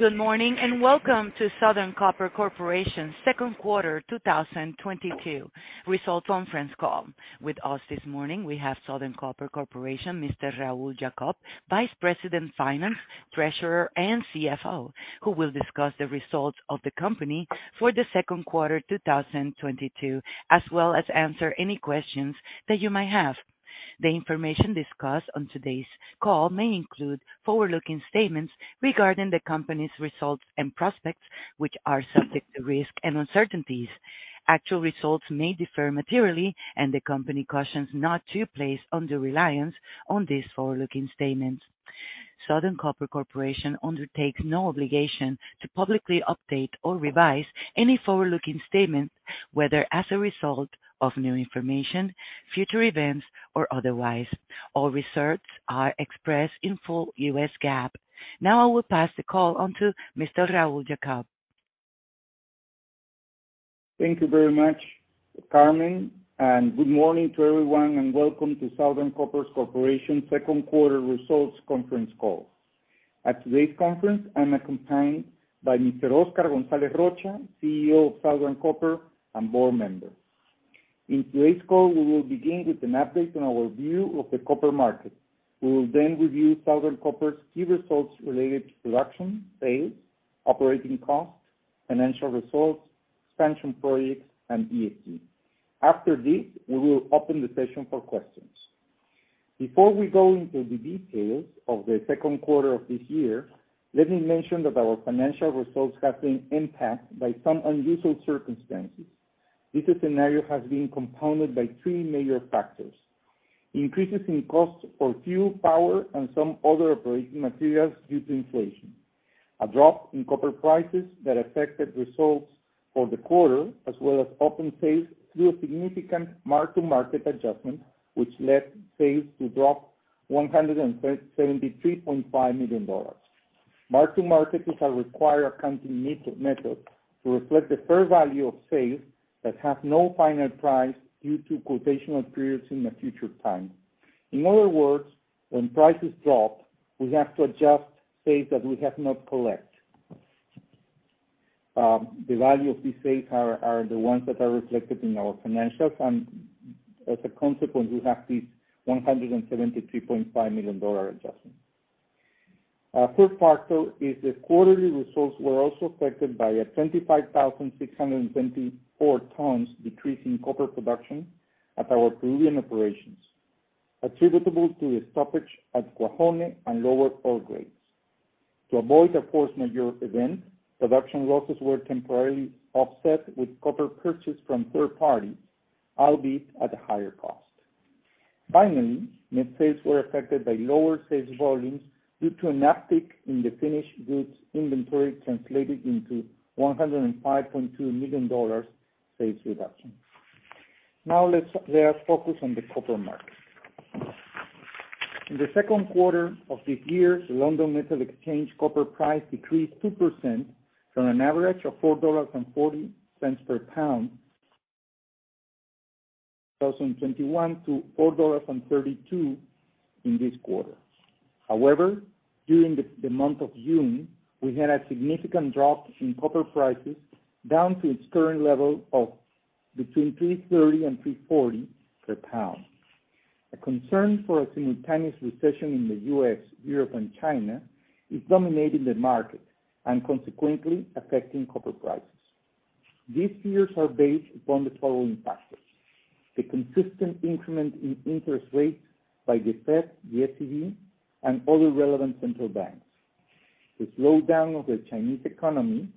Good morning, and welcome to Southern Copper Corporation's Second Quarter 2022 Results Conference Call. With us this morning, we have Southern Copper Corporation, Mr. Raul Jacob, Vice President, Finance, Treasurer, and CFO, who will discuss the results of the company for the second quarter 2022, as well as answer any questions that you might have. The information discussed on today's call may include forward-looking statements regarding the company's results and prospects, which are subject to risk and uncertainties. Actual results may differ materially, and the company cautions not to place undue reliance on these forward-looking statements. Southern Copper Corporation undertakes no obligation to publicly update or revise any forward-looking statements, whether as a result of new information, future events, or otherwise. All results are expressed in full U.S. GAAP. Now I will pass the call on to Mr. Raul Jacob. Thank you very much, Carmen, and good morning to everyone, and welcome to Southern Copper Corporation's Second Quarter Results Conference Call. At today's conference, I'm accompanied by Mr. Oscar Gonzalez Rocha, CEO of Southern Copper, and board member. In today's call, we will begin with an update on our view of the copper market. We will then review Southern Copper's key results related to production, sales, operating costs, financial results, expansion projects, and ESG. After this, we will open the session for questions. Before we go into the details of the second quarter of this year, let me mention that our financial results have been impacted by some unusual circumstances. This scenario has been compounded by three major factors: increases in costs for fuel, power, and some other operating materials due to inflation, a drop in copper prices that affected results for the quarter, as well as open sales through a significant mark-to-market adjustment, which led sales to drop $173.5 million. Mark-to-market is a required accounting method to reflect the fair value of sales that have no final price due to quotational periods in the future time. In other words, when prices drop, we have to adjust sales that we have not collect. The value of these sales are the ones that are reflected in our financials, and as a consequence, we have this $173.5 million adjustment. Our third factor is the quarterly results were also affected by a 25,674-ton decrease in copper production at our Peruvian operations, attributable to a stoppage at Cuajone and lower ore grades. To avoid a force majeure event, production losses were temporarily offset with copper purchase from third party, albeit at a higher cost. Finally, net sales were affected by lower sales volumes due to an uptick in the finished goods inventory, translated into $105.2 million sales reduction. Now let us focus on the copper market. In the second quarter of this year, the London Metal Exchange copper price decreased 2% from an average of $4.40 per pound in 2021 to $4.32 in this quarter. However, during the month of June, we had a significant drop in copper prices down to its current level of between $3.30 and $3.40 per pound. A concern for a simultaneous recession in the U.S., Europe, and China is dominating the market and consequently affecting copper prices. These fears are based upon the following factors, the consistent increment in interest rates by the Fed, the ECB, and other relevant central banks, the slowdown of the Chinese economy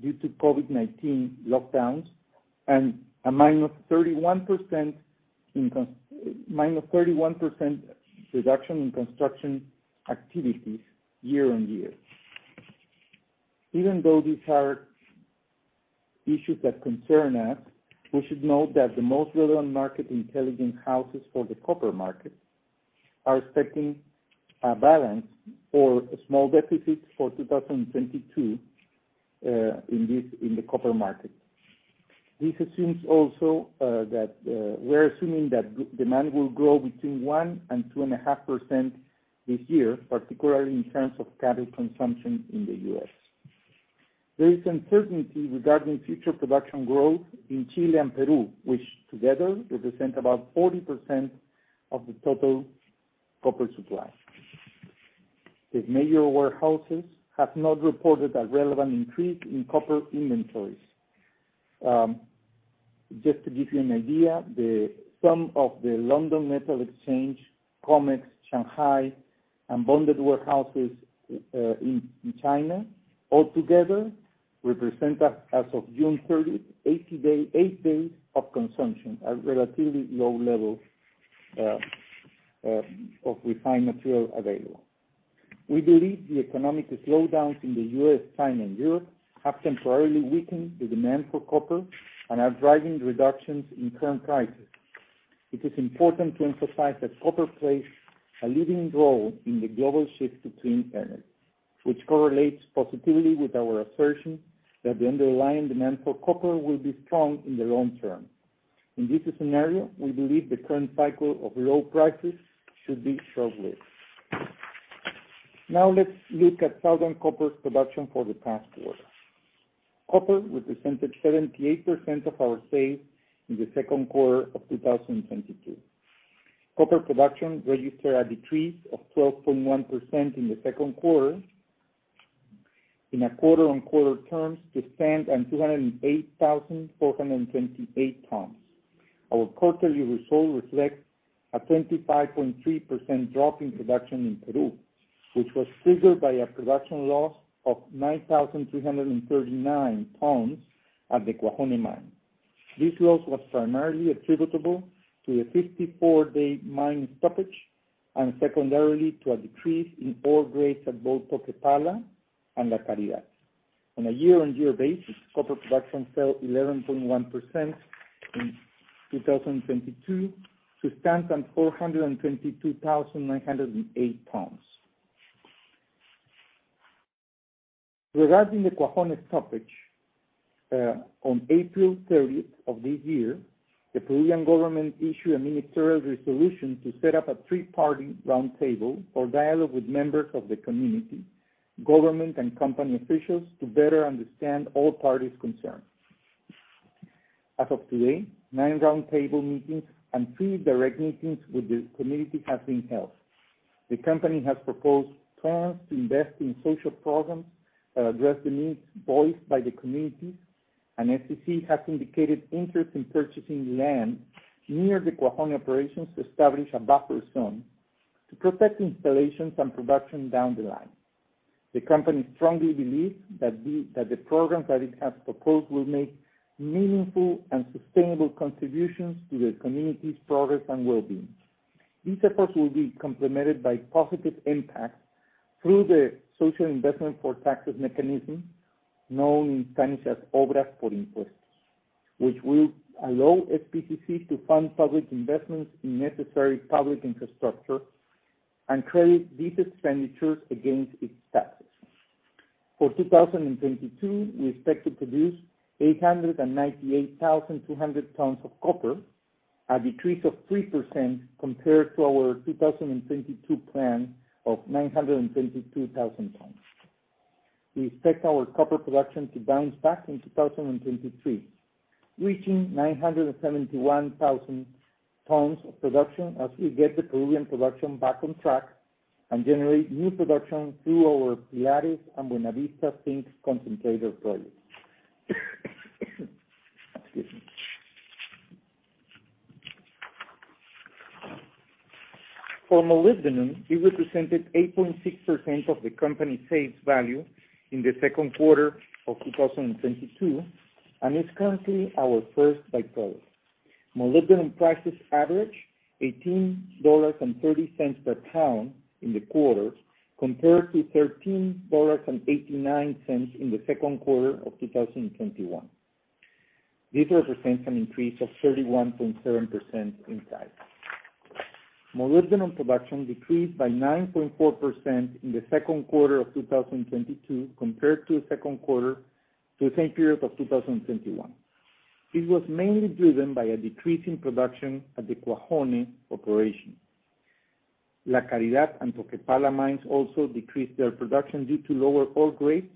due to COVID-19 lockdowns, and a -31% reduction in construction activities year-over-year. Even though these are issues that concern us, we should note that the most relevant market intelligence houses for the copper market are expecting a balance or a small deficit for 2022 in the copper market. This assumes also that we're assuming that demand will grow between 1% and 2.5% this year, particularly in terms of category consumption in the U.S. There is uncertainty regarding future production growth in Chile and Peru, which together represent about 40% of the total copper supply. The major warehouses have not reported a relevant increase in copper inventories. Just to give you an idea, the sum of the London Metal Exchange, COMEX, Shanghai, and bonded warehouses in China all together represent, as of June 30, eight days of consumption at relatively low levels of refined material available. We believe the economic slowdowns in the U.S., China, and Europe have temporarily weakened the demand for copper and are driving reductions in current prices. It is important to emphasize that copper plays a leading role in the global shift to clean energy, which correlates positively with our assertion that the underlying demand for copper will be strong in the long term. In this scenario, we believe the current cycle of low prices should be short-lived. Now let's look at Southern Copper's production for the past quarter. Copper represented 78% of our sales in the second quarter of 2022. Copper production registered a decrease of 12.1% in the second quarter in quarter-on-quarter terms to stand at 208,428 tons. Our quarterly results reflect a 25.3% drop in production in Peru, which was triggered by a production loss of 9,339 tons at the Cuajone Mine. This loss was primarily attributable to a 54-day mine stoppage, and secondarily, to a decrease in ore grades at both Toquepala and La Caridad. On a year-on-year basis, copper production fell 11.1% in 2022 to stand at 422,908 tons. Regarding the Cuajone stoppage, on April 30th of this year, the Peruvian government issued a ministerial resolution to set up a 3-party roundtable for dialogue with members of the community, government, and company officials to better understand all parties concerned. As of today, nine roundtable meetings and three direct meetings with the community have been held. The company has proposed terms to invest in social programs that address the needs voiced by the communities, and SCC has indicated interest in purchasing land near the Cuajone operations to establish a buffer zone to protect installations and production down the line. The company strongly believes that the programs that it has proposed will make meaningful and sustainable contributions to the community's progress and well-being. These efforts will be complemented by positive impact through the social investment for taxes mechanism, known in Spanish as Obras por Impuestos, which will allow SPCC to fund public investments in necessary public infrastructure and credit these expenditures against its taxes. For 2022, we expect to produce 898,200 tons of copper, a decrease of 3% compared to our 2022 plan of 922,000 tons. We expect our copper production to bounce back in 2023, reaching 971,000 tons of production as we get the Peruvian production back on track and generate new production through our Pilares and Buenavista Zinc concentrator projects. Excuse me. For molybdenum, it represented 8.6% of the company's sales value in the second quarter of 2022, and is currently our first by-product. Molybdenum prices averaged $18.30 per pound in the quarter, compared to $13.89 in the second quarter of 2021. This represents an increase of 31.7% in price. Molybdenum production decreased by 9.4% in the second quarter of 2022 compared to the same period of 2021. This was mainly driven by a decrease in production at the Cuajone operation. La Caridad and Toquepala mines also decreased their production due to lower ore grades,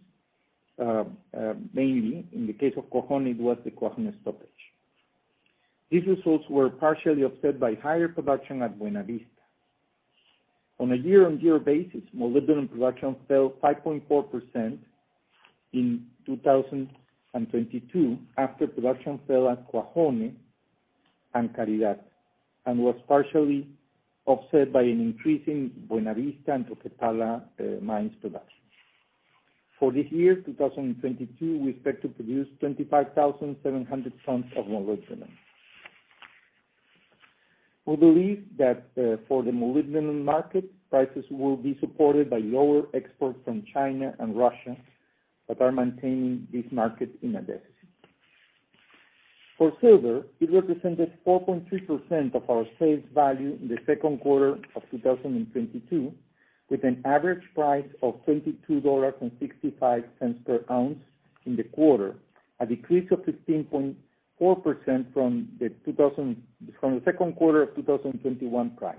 mainly. In the case of Cuajone, it was the Cuajone stoppage. These results were partially offset by higher production at Buenavista. On a year-on-year basis, molybdenum production fell 5.4% in 2022 after production fell at Cuajone and La Caridad, and was partially offset by an increase in Buenavista and Toquepala mines production. For this year, 2022, we expect to produce 25,700 tons of molybdenum. We believe that, for the molybdenum market, prices will be supported by lower exports from China and Russia that are maintaining this market in a deficit. For silver, it represented 4.3% of our sales value in the second quarter of 2022, with an average price of $22.65 per ounce in the quarter, a decrease of 15.4% from the second quarter of 2021 price.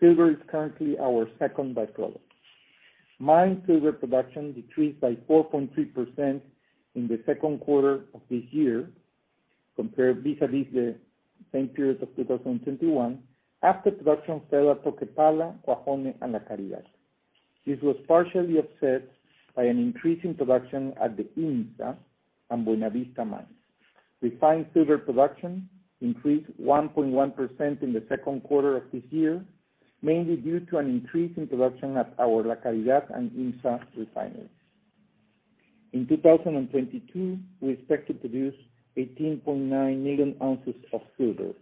Silver is currently our second by-product. Mine silver production decreased by 4.3% in the second quarter of this year compared versus the same period of 2021 after production fell at Toquepala, Cuajone, and La Caridad. This was partially offset by an increase in production at the IMMSA and Buenavista mines. Refined silver production increased 1.1% in the second quarter of this year, mainly due to an increase in production at our La Caridad and IMMSA refineries. In 2022, we expect to produce 18.9 million ounces of silver,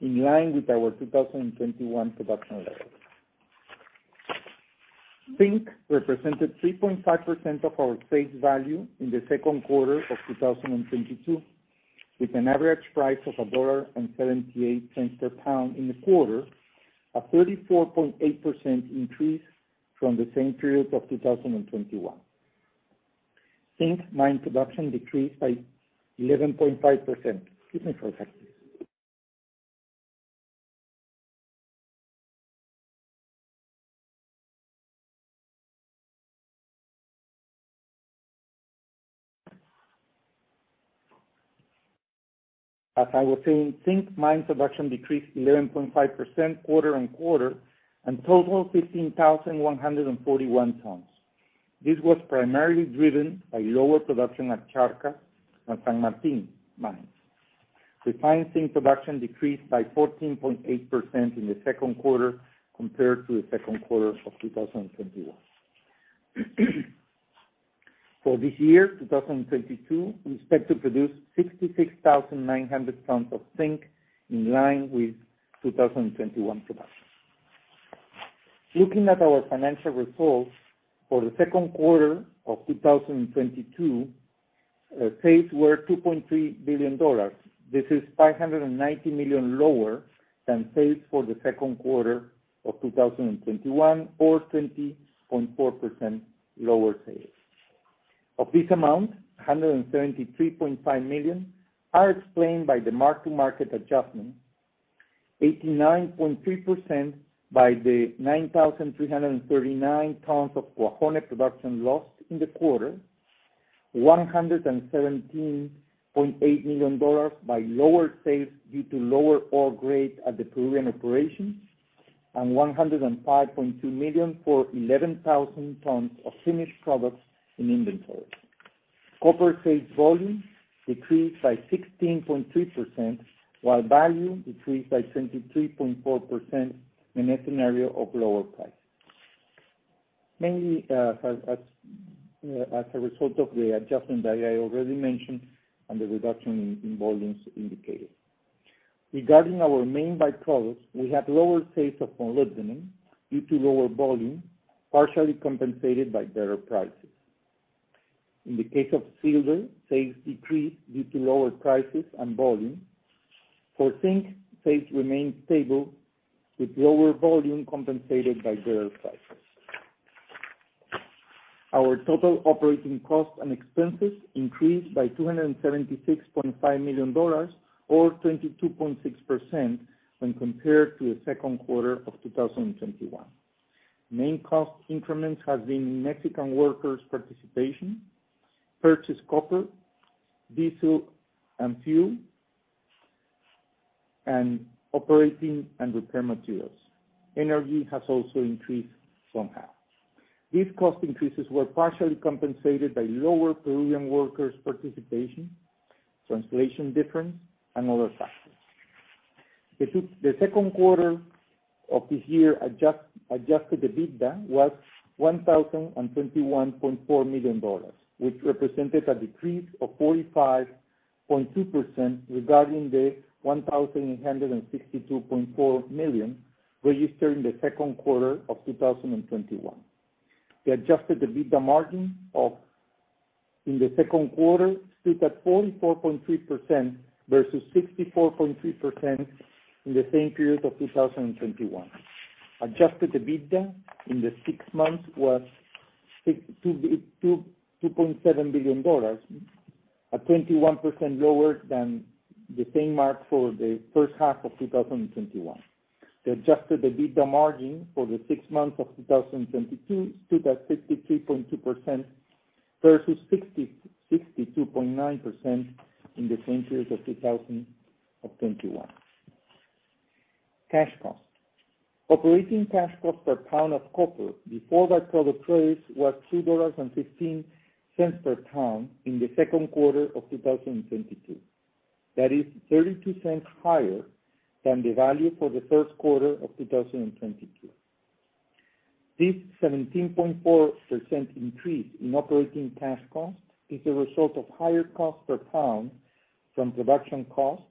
in line with our 2021 production levels. Zinc represented 3.5% of our sales value in the second quarter of 2022, with an average price of $1.78 per pound in the quarter, a 34.8% increase from the same period of 2021. Zinc mine production decreased by 11.5%. Excuse me for a second. As I was saying, zinc mine production decreased 11.5% quarter-on-quarter and totaled 15,141 tons. This was primarily driven by lower production at Charcas and San Martín mines. Refined zinc production decreased by 14.8% in the second quarter compared to the second quarter of 2021. For this year, 2022, we expect to produce 66,900 tons of zinc in line with 2021 production. Looking at our financial results for the second quarter of 2022, sales were $2.3 billion. This is $590 million lower than sales for the second quarter of 2021 or 20.4% lower sales. Of this amount, $173.5 million is explained by the mark-to-market adjustment, 89.3% by the 9,339 tons of Cuajone production lost in the quarter, $117.8 million by lower sales due to lower ore grade at the Peruvian operations, and $105.2 million for 11,000 tons of finished products in inventory. Copper sales volume decreased by 16.3%, while value decreased by 23.4% in a scenario of lower price. Mainly, as a result of the adjustment that I already mentioned and the reduction in volumes indicated. Regarding our main by-products, we have lower sales of molybdenum due to lower volume, partially compensated by better prices. In the case of silver, sales decreased due to lower prices and volume. For zinc, sales remained stable with lower volume compensated by better prices. Our total operating costs and expenses increased by $276.5 million or 22.6% when compared to the second quarter of 2021. Main cost increments have been Mexican workers participation, purchased copper, diesel and fuel, and operating and repair materials. Energy has also increased somehow. These cost increases were partially compensated by lower Peruvian workers participation, translation difference, and other factors. The second quarter of this year adjusted EBITDA was $1,021.4 million, which represented a decrease of 45.2% regarding the $1,862.4 million registered in the second quarter of 2021. The adjusted EBITDA margin in the second quarter stood at 44.3% versus 64.3% in the same period of 2021. Adjusted EBITDA in the six months was $2.7 billion, 21% lower than the same mark for the first half of 2021. The adjusted EBITDA margin for the six months of 2022 stood at 53.2% versus 62.9% in the same period of 2021. Cash cost. Operating cash cost per pound of copper before by-product credits was $2.15 per pound in the second quarter of 2022. That is $0.32 higher than the value for the first quarter of 2022. This 17.4% increase in operating cash cost is a result of higher cost per pound from production costs,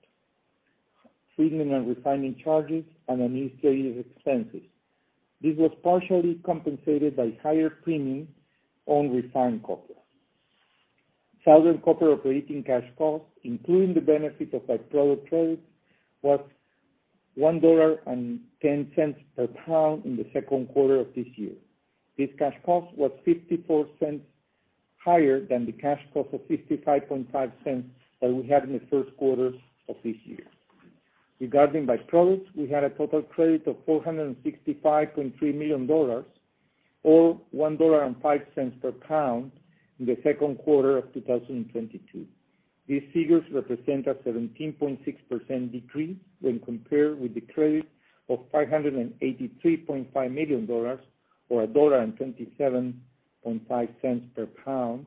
treatment and refining charges, and administrative expenses. This was partially compensated by higher premiums on refined copper. Southern Copper operating cash costs, including the benefit of by-product credits, was $1.10 per pound in the second quarter of this year. This cash cost was $0.54 higher than the cash cost of $0.555 that we had in the first quarter of this year. Regarding by-products, we had a total credit of $465.3 million or $1.05 per pound in the second quarter of 2022. These figures represent a 17.6% decrease when compared with the credit of $583.5 million or $1.275 per pound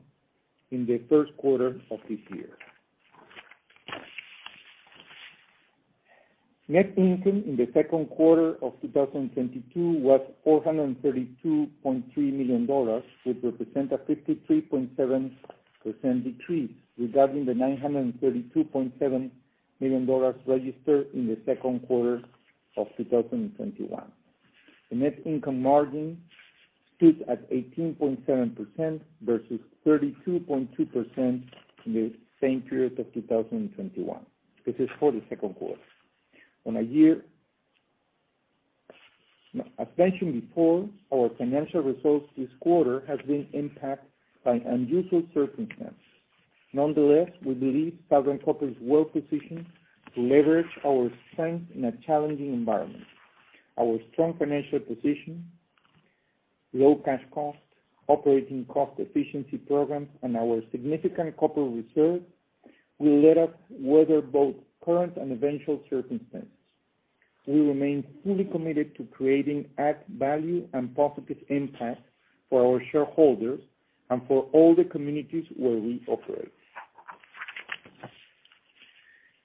in the first quarter of this year. Net income in the second quarter of 2022 was $432.3 million, which represent a 53.7% decrease regarding the $932.7 million registered in the second quarter of 2021. The net income margin stood at 18.7% versus 32.2% in the same period of 2021. This is for the second quarter. As mentioned before, our financial results this quarter has been impacted by unusual circumstance. Nonetheless, we believe Southern Copper is well-positioned to leverage our strength in a challenging environment. Our strong financial position, low cash costs, operating cost efficiency programs, and our significant copper reserve will let us weather both current and eventual circumstances. We remain fully committed to creating add value and positive impact for our shareholders and for all the communities where we operate.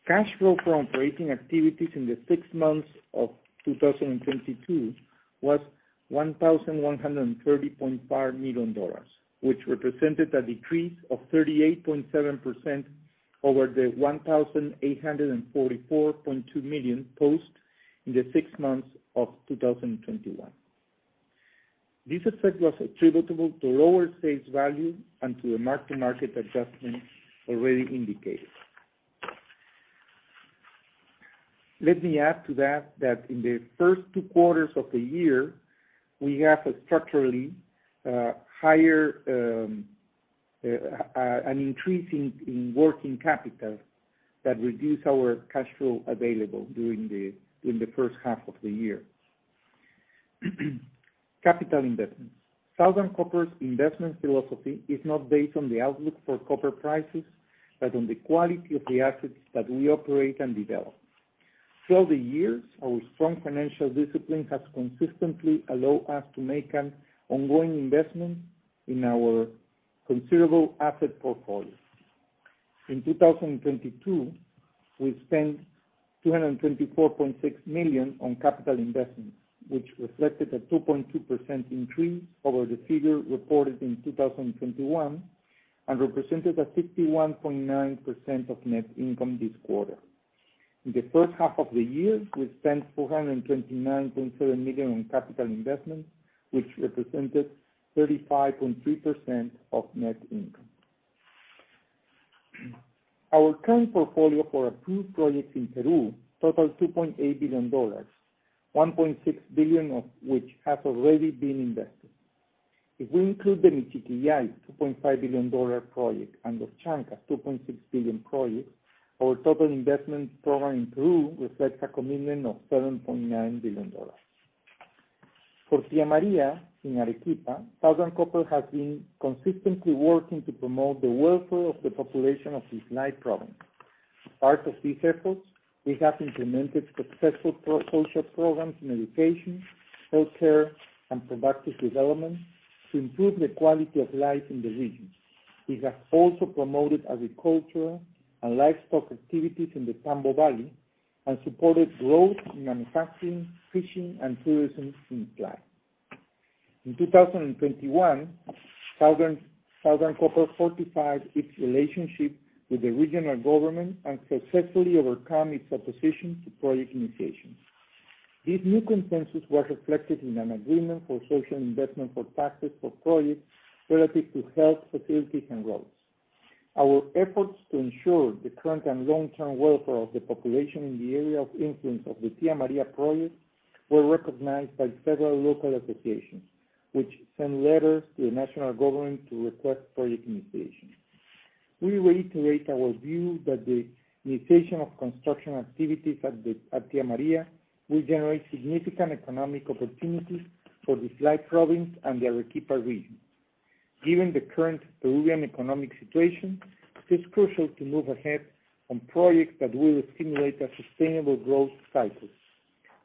Cash flow from operating activities in the six months of 2022 was $1,130.5 million, which represented a decrease of 38.7% over the $1,844.2 million posted in the six months of 2021. This effect was attributable to lower sales value and to the mark-to-market adjustments already indicated. Let me add to that in the first two quarters of the year, we have a structurally higher increase in working capital that reduced our cash flow available during the first half of the year. Capital investments. Southern Copper's investment philosophy is not based on the outlook for copper prices, but on the quality of the assets that we operate and develop. Through the years, our strong financial discipline has consistently allowed us to make an ongoing investment in our considerable asset portfolio. In 2022, we spent $224.6 million on capital investments, which reflected a 2.2% increase over the figure reported in 2021, and represented a 61.9% of net income this quarter. In the first half of the year, we spent $429.7 million in capital investment, which represented 35.3% of net income. Our current portfolio for approved projects in Peru totals $2.8 billion, $1.6 billion of which has already been invested. If we include the Michiquillay $2.5 billion project and Los Chancas $2.6 billion project, our total investment program in Peru reflects a commitment of $7.9 billion. For Tía María in Arequipa, Southern Copper has been consistently working to promote the welfare of the population of Islay Province. As part of these efforts, we have implemented successful pro-social programs in education, healthcare, and productive development to improve the quality of life in the region. We have also promoted agriculture and livestock activities in the Tambo Valley and supported growth in manufacturing, fishing, and tourism in Islay. In 2021, Southern Copper fortified its relationship with the regional government and successfully overcome its opposition to project initiation. This new consensus was reflected in an agreement for social investment for taxes for projects related to health facilities and roads. Our efforts to ensure the current and long-term welfare of the population in the area of influence of the Tía María project were recognized by several local associations, which sent letters to the national government to request project initiation. We reiterate our view that the initiation of construction activities at Tía María will generate significant economic opportunities for Islay Province and the Arequipa region. Given the current Peruvian economic situation, it is crucial to move ahead on projects that will stimulate a sustainable growth cycle.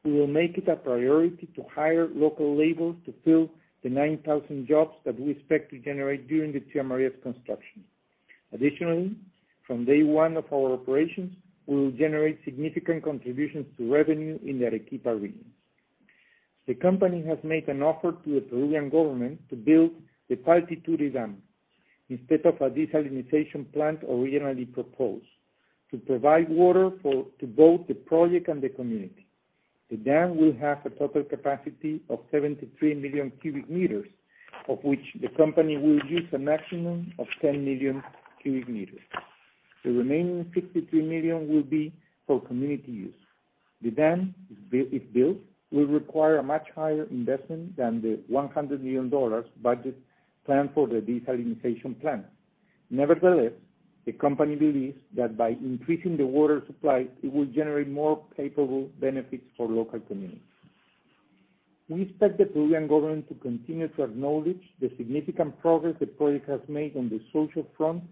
We will make it a priority to hire local labor to fill the 9,000 jobs that we expect to generate during the Tía María's construction. Additionally, from day one of our operations, we will generate significant contributions to revenue in the Arequipa region. The company has made an offer to the Peruvian government to build the Paltiture dam instead of a desalination plant originally proposed, to provide water for, to both the project and the community. The dam will have a total capacity of 73 million cubic meters, of which the company will use a maximum of 10 million cubic meters. The remaining 53 million will be for community use. The dam, if built, will require a much higher investment than the $100 million budget planned for the desalination plant. Nevertheless, the company believes that by increasing the water supply, it will generate more palpable benefits for local communities. We expect the Peruvian government to continue to acknowledge the significant progress the project has made on the social front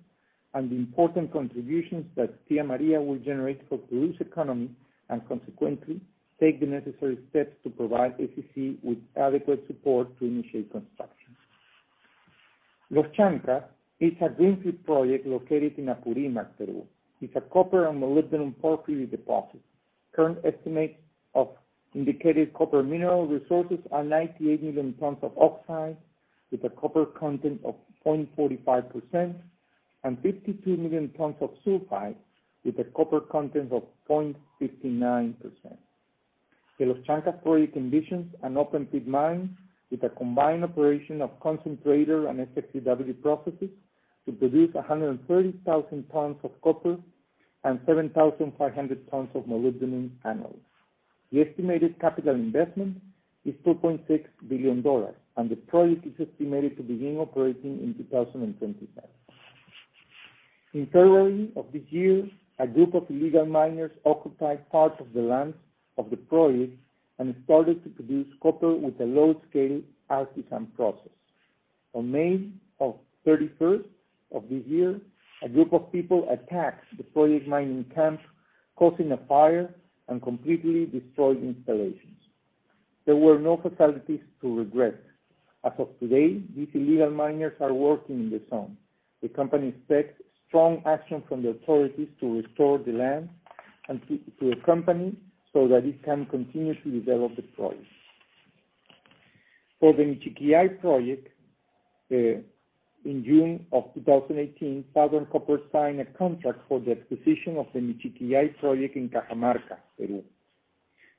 and the important contributions that Tía María will generate for Peru's economy, and consequently, take the necessary steps to provide SCC with adequate support to initiate construction. Los Chancas is a greenfield project located in Apurimac, Peru. It's a copper and molybdenum porphyry deposit. Current estimates of indicated copper mineral resources are 98 million tons of oxide, with a copper content of 0.45%, and 52 million tons of sulfide, with a copper content of 0.59%. The Los Chancas project envisions an open pit mine with a combined operation of concentrator and SXEW processes to produce 130,000 tons of copper and 7,500 tons of molybdenum annually. The estimated capital investment is $2.6 billion, and the project is estimated to begin operating in 2025. In February of this year, a group of illegal miners occupied part of the lands of the project and started to produce copper with a small-scale artisanal process. On May 31st of this year, a group of people attacked the project mining camp, causing a fire and completely destroying installations. There were no fatalities to regret. As of today, these illegal miners are working in the zone. The company expects strong action from the authorities to restore the land to the company, so that it can continue to develop the project. For the Michiquillay project, in June of 2018, Southern Copper signed a contract for the acquisition of the Michiquillay project in Cajamarca, Peru.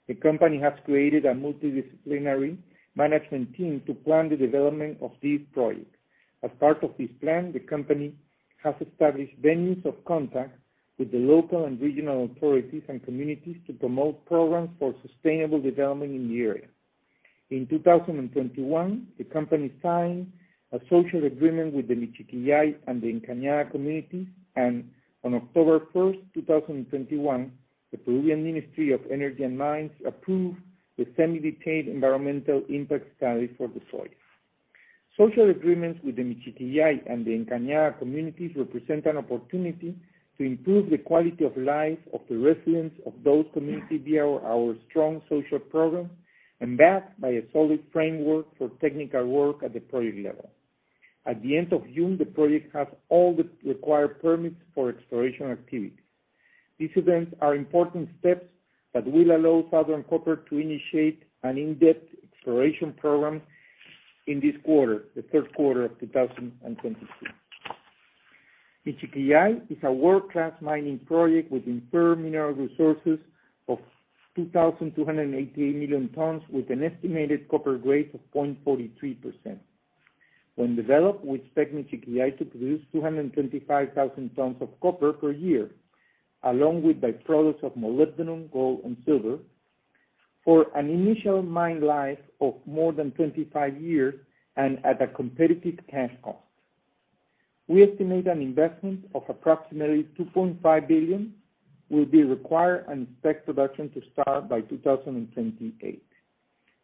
The company has created a multidisciplinary management team to plan the development of this project. As part of this plan, the company has established avenues of contact with the local and regional authorities and communities to promote programs for sustainable development in the area. In 2021, the company signed a social agreement with the Michiquillay and the Encañada communities, and on October 1st, 2021, the Peruvian Ministry of Energy and Mines approved the semi-detailed environmental impact study for the project. Social agreements with the Michiquillay and the Encañada communities represent an opportunity to improve the quality of life of the residents of those communities via our strong social program, and backed by a solid framework for technical work at the project level. At the end of June, the project has all the required permits for exploration activities. These events are important steps that will allow Southern Copper to initiate an in-depth exploration program in this quarter, the third quarter of 2022. Michiquillay is a world-class mining project with inferred mineral resources of 2,288 million tons, with an estimated copper grade of 0.43%. When developed, we expect Michiquillay to produce 225,000 tons of copper per year, along with by-products of molybdenum, gold, and silver for an initial mine life of more than 25 years and at a competitive cash cost. We estimate an investment of approximately $2.5 billion will be required and expect production to start by 2028.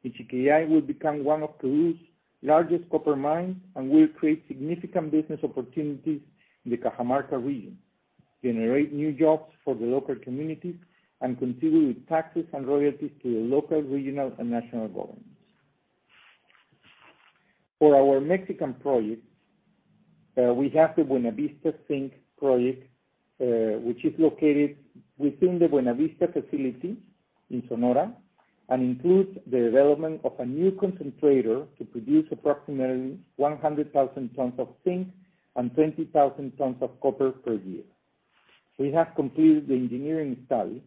Michiquillay will become one of Peru's largest copper mines and will create significant business opportunities in the Cajamarca region, generate new jobs for the local communities, and contribute taxes and royalties to the local, regional, and national governments. For our Mexican projects, we have the Buenavista Zinc project, which is located within the Buenavista facility in Sonora and includes the development of a new concentrator to produce approximately 100,000 tons of zinc and 20,000 tons of copper per year. We have completed the engineering study,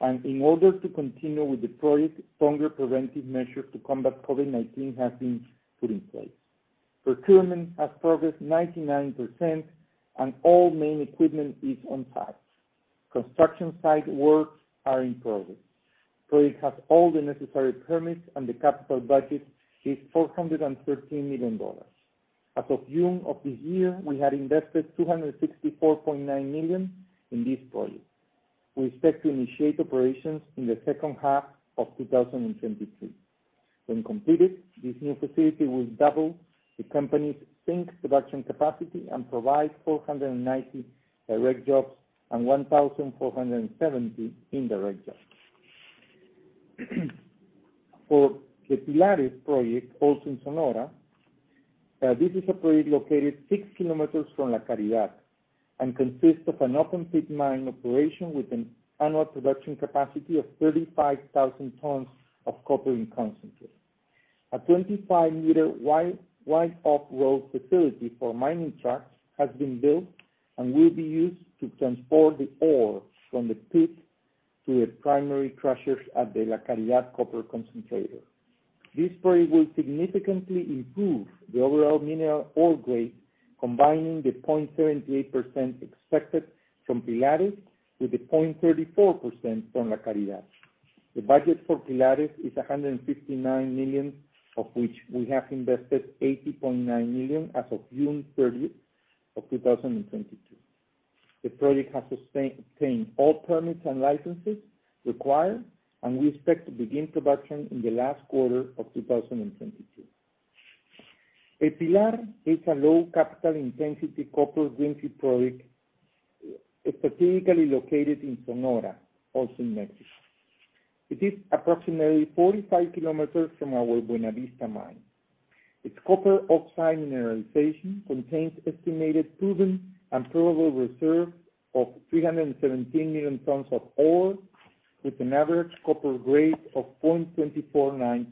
and in order to continue with the project, stronger preventive measures to combat COVID-19 have been put in place. Procurement has progressed 99% and all main equipment is on site. Construction site works are in progress. Project has all the necessary permits and the capital budget is $413 million. As of June of this year, we had invested $264.9 million in this project. We expect to initiate operations in the second half of 2023. When completed, this new facility will double the company's zinc production capacity and provide 490 direct jobs and 1,470 indirect jobs. For the Pilares project, also in Sonora, this is a project located 6 km from La Caridad and consists of an open pit mine operation with an annual production capacity of 35,000 tons of copper in concentrate. A 25-meter wide off-road facility for mining trucks has been built and will be used to transport the ore from the pit to the primary crushers at the La Caridad copper concentrator. This project will significantly improve the overall mineral ore grade, combining the 0.38% expected from Pilares with the 0.34% from La Caridad. The budget for Pilares is $159 million, of which we have invested $80.9 million as of June 30th, of 2022. The project has sustained all permits and licenses required, and we expect to begin production in the last quarter of 2022. El Pilar is a low capital intensity copper greenfield project, strategically located in Sonora, also in Mexico. It is approximately 45 kilometers from our Buenavista mine. Its copper oxide mineralization contains estimated proven and probable reserve of 317 million tons of ore with an average copper grade of 0.249%.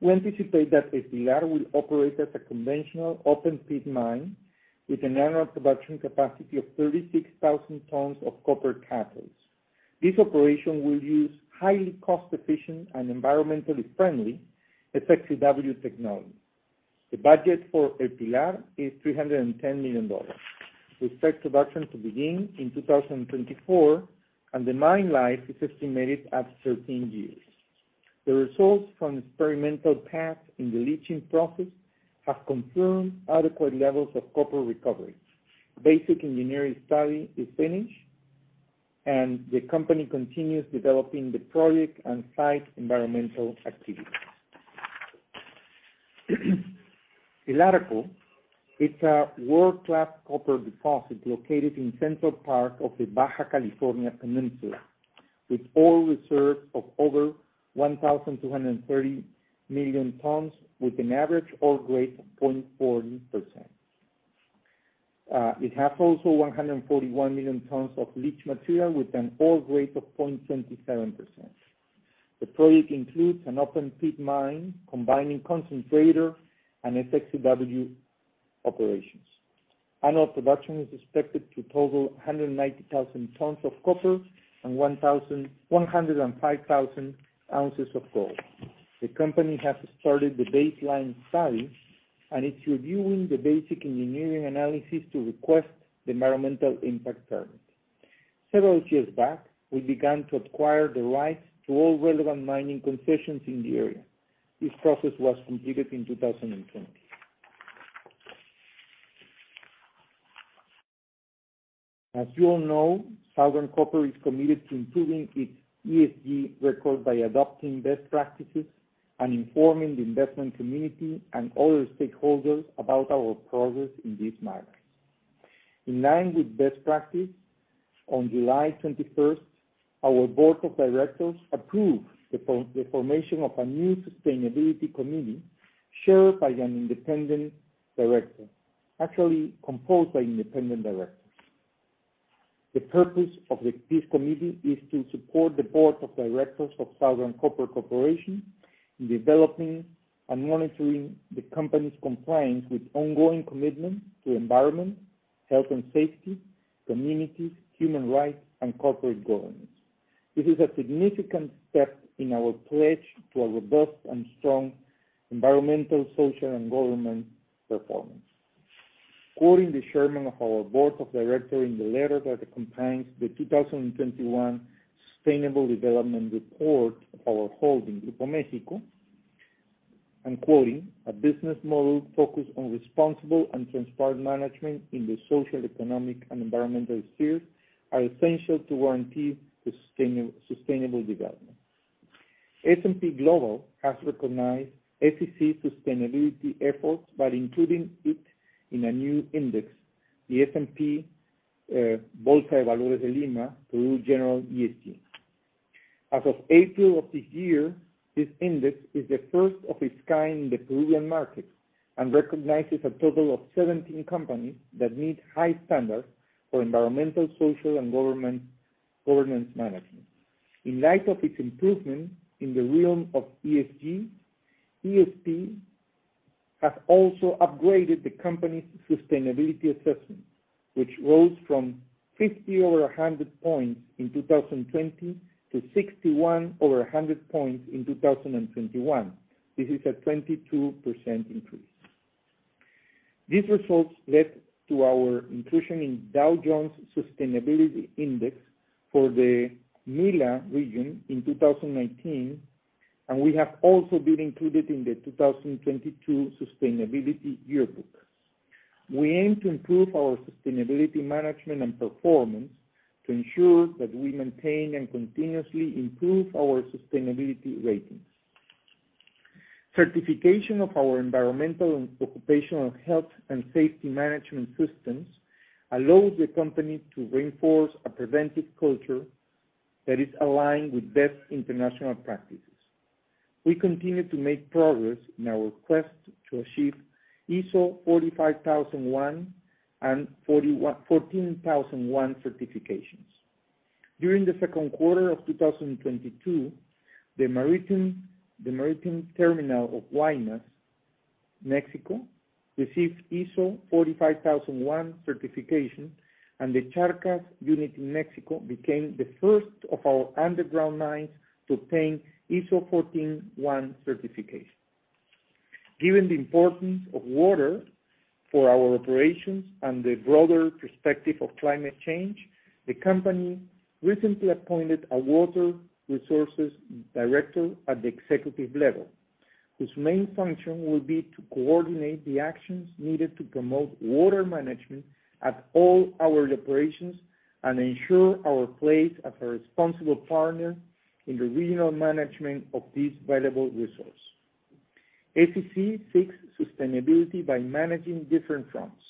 We anticipate that El Pilar will operate as a conventional open pit mine with an annual production capacity of 36,000 tons of copper cathodes. This operation will use highly cost-efficient and environmentally friendly SXEW technology. The budget for El Pilar is $310 million. We expect production to begin in 2024, and the mine life is estimated at 13 years. The results from experimental tests in the leaching process have confirmed adequate levels of copper recovery. Basic engineering study is finished, and the company continues developing the project and site environmental activities. El Arco is a world-class copper deposit located in central part of the Baja California Peninsula, with ore reserves of over 1,230 million tons with an average ore grade of 0.4%. It has also 141 million tons of leach material with an ore grade of 0.27%. The project includes an open pit mine combining concentrator and SXEW operations. Annual production is expected to total 190,000 tons of copper and 105,000 ounces of gold. The company has started the baseline study, and it's reviewing the basic engineering analysis to request the environmental impact permit. Several years back, we began to acquire the rights to all relevant mining concessions in the area. This process was completed in 2020. As you all know, Southern Copper is committed to improving its ESG record by adopting best practices and informing the investment community and other stakeholders about our progress in this matter. In line with best practice, on July 21st, our board of directors approved the formation of a new sustainability committee chaired by an independent director. Actually, composed by independent directors. The purpose of this committee is to support the board of directors of Southern Copper Corporation in developing and monitoring the company's compliance with ongoing commitment to environment, health and safety, communities, human rights, and corporate governance. This is a significant step in our pledge to a robust and strong environmental, social, and governance performance. Quoting the chairman of our board of directors in the letter that contains the 2021 Sustainable Development Report of our holding, Grupo México, I'm quoting, "A business model focused on responsible and transparent management in the social, economic, and environmental spheres are essential to guarantee sustainable development." S&P Global has recognized SCC sustainability efforts by including it in a new index, the S&P/Bolsa de Valores de Lima Peru General ESG. As of April of this year, this index is the first of its kind in the Peruvian market and recognizes a total of 17 companies that meet high standards for environmental, social, and governance management. In light of its improvement in the realm of ESG, S&P has also upgraded the company's sustainability assessment, which rose from 50 out of 100 points in 2020 to 61 out of 100 points in 2021. This is a 22% increase. These results led to our inclusion in Dow Jones Sustainability Index for the MILA region in 2019, and we have also been included in the 2022 Sustainability Yearbook. We aim to improve our sustainability management and performance to ensure that we maintain and continuously improve our sustainability ratings. Certification of our environmental and occupational health and safety management systems allows the company to reinforce a preventive culture that is aligned with best international practices. We continue to make progress in our quest to achieve ISO 45001 and 14001 certifications. During the second quarter of 2022, the maritime terminal of Guaymas, Mexico, received ISO 45001 certification, and the Charcas unit in Mexico became the first of our underground mines to obtain ISO 14001 certification. Given the importance of water for our operations and the broader perspective of climate change, the company recently appointed a water resources director at the executive level, whose main function will be to coordinate the actions needed to promote water management at all our operations and ensure our place as a responsible partner in the regional management of this valuable resource. SCC seeks sustainability by managing different fronts.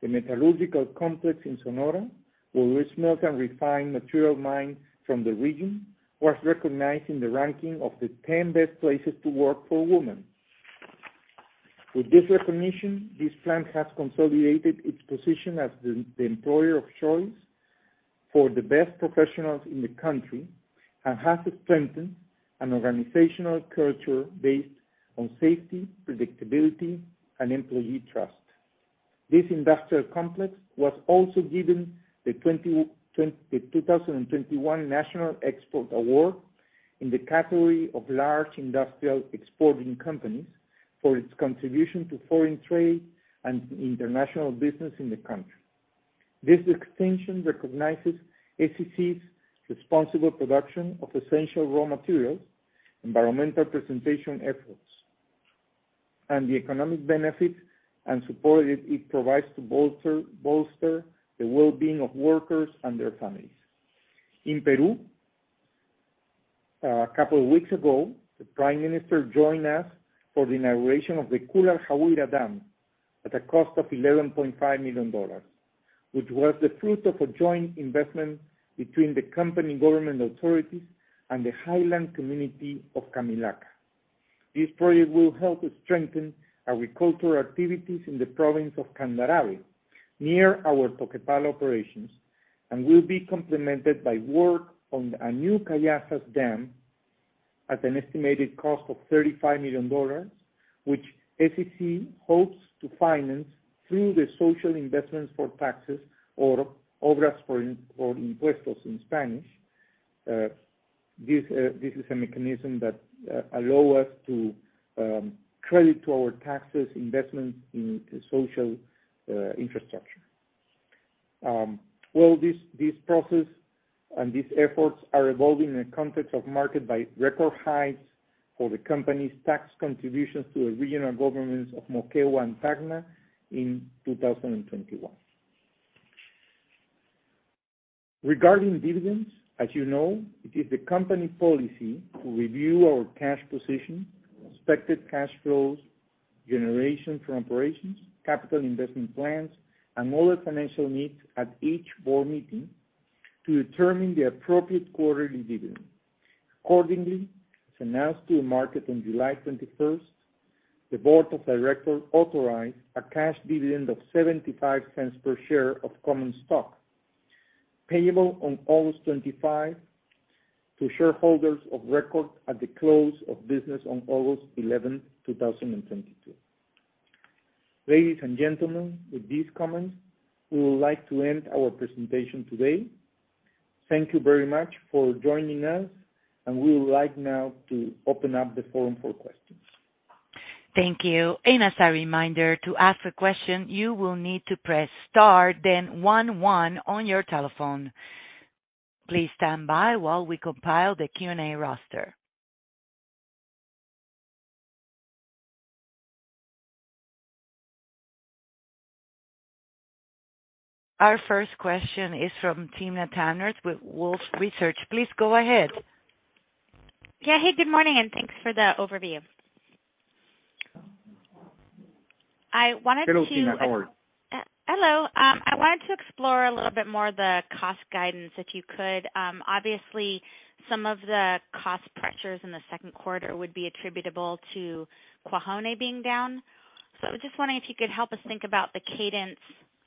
The metallurgical complex in Sonora, where we smelt and refine material mined from the region, was recognized in the ranking of the 10 best places to work for women. With this recognition, this plant has consolidated its position as the employer of choice for the best professionals in the country and has strengthened an organizational culture based on safety, predictability, and employee trust. This industrial complex was also given the 2021 National Export Award in the category of large industrial exporting companies for its contribution to foreign trade and international business in the country. This distinction recognizes SCC's responsible production of essential raw materials, environmental preservation efforts, and the economic benefits and support it provides to bolster the well-being of workers and their families. In Peru, a couple of weeks ago, the prime minister joined us for the inauguration of the Cularjahuira Dam at a cost of $11.5 million, which was the fruit of a joint investment between the company government authorities and the highland community of Camilaca. This project will help to strengthen agricultural activities in the province of Candarave, near our Toquepala operations, and will be complemented by work on the new Callazas Dam at an estimated cost of $35 million, which SCC hopes to finance through the Social Investments For Taxes or Obras por Impuestos in Spanish. This is a mechanism that allow us to credit to our taxes investments in the social infrastructure. Well, this process and these efforts are evolving in the context of marked by record highs for the company's tax contributions to the regional governments of Moquegua and Tacna in 2021. Regarding dividends, as you know, it is the company policy to review our cash position, expected cash flows, generation from operations, capital investment plans, and all the financial needs at each board meeting to determine the appropriate quarterly dividend. Accordingly, as announced to the market on July 21st, the board of directors authorized a cash dividend of $0.75 per share of common stock, payable on August 25 to shareholders of record at the close of business on August 11, 2022. Ladies and gentlemen, with these comments, we would like to end our presentation today. Thank you very much for joining us, and we would like now to open up the forum for questions. Thank you. As a reminder, to ask a question, you will need to press star then one one on your telephone. Please stand by while we compile the Q&A roster. Our first question is from Timna Tanners with Wolfe Research. Please go ahead. Yeah. Hey, good morning, and thanks for the overview. I wanted to. Hello, Timna. How are you? Hello. I wanted to explore a little bit more the cost guidance, if you could. Obviously some of the cost pressures in the second quarter would be attributable to Cuajone being down. I was just wondering if you could help us think about the cadence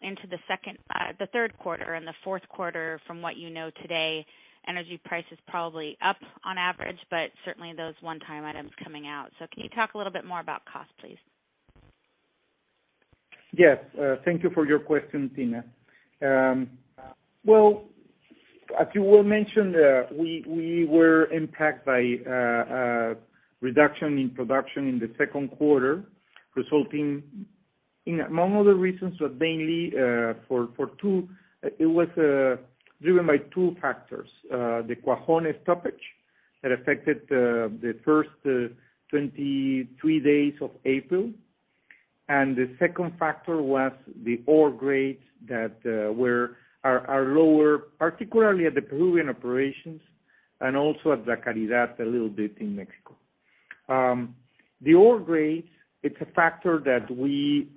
into the third quarter and the fourth quarter from what you know today. Energy price is probably up on average, but certainly those one-time items coming out. Can you talk a little bit more about cost, please? Yes. Thank you for your question, Timna. Well, as you well mentioned, we were impacted by reduction in production in the second quarter, resulting in, among other reasons, but mainly for two. It was driven by two factors. The Cuajone stoppage that affected the first 23 days of April, and the second factor was the ore grades that are lower, particularly at the Peruvian operations and also at Zacatecas a little bit in Mexico. The ore grades, it's a factor that we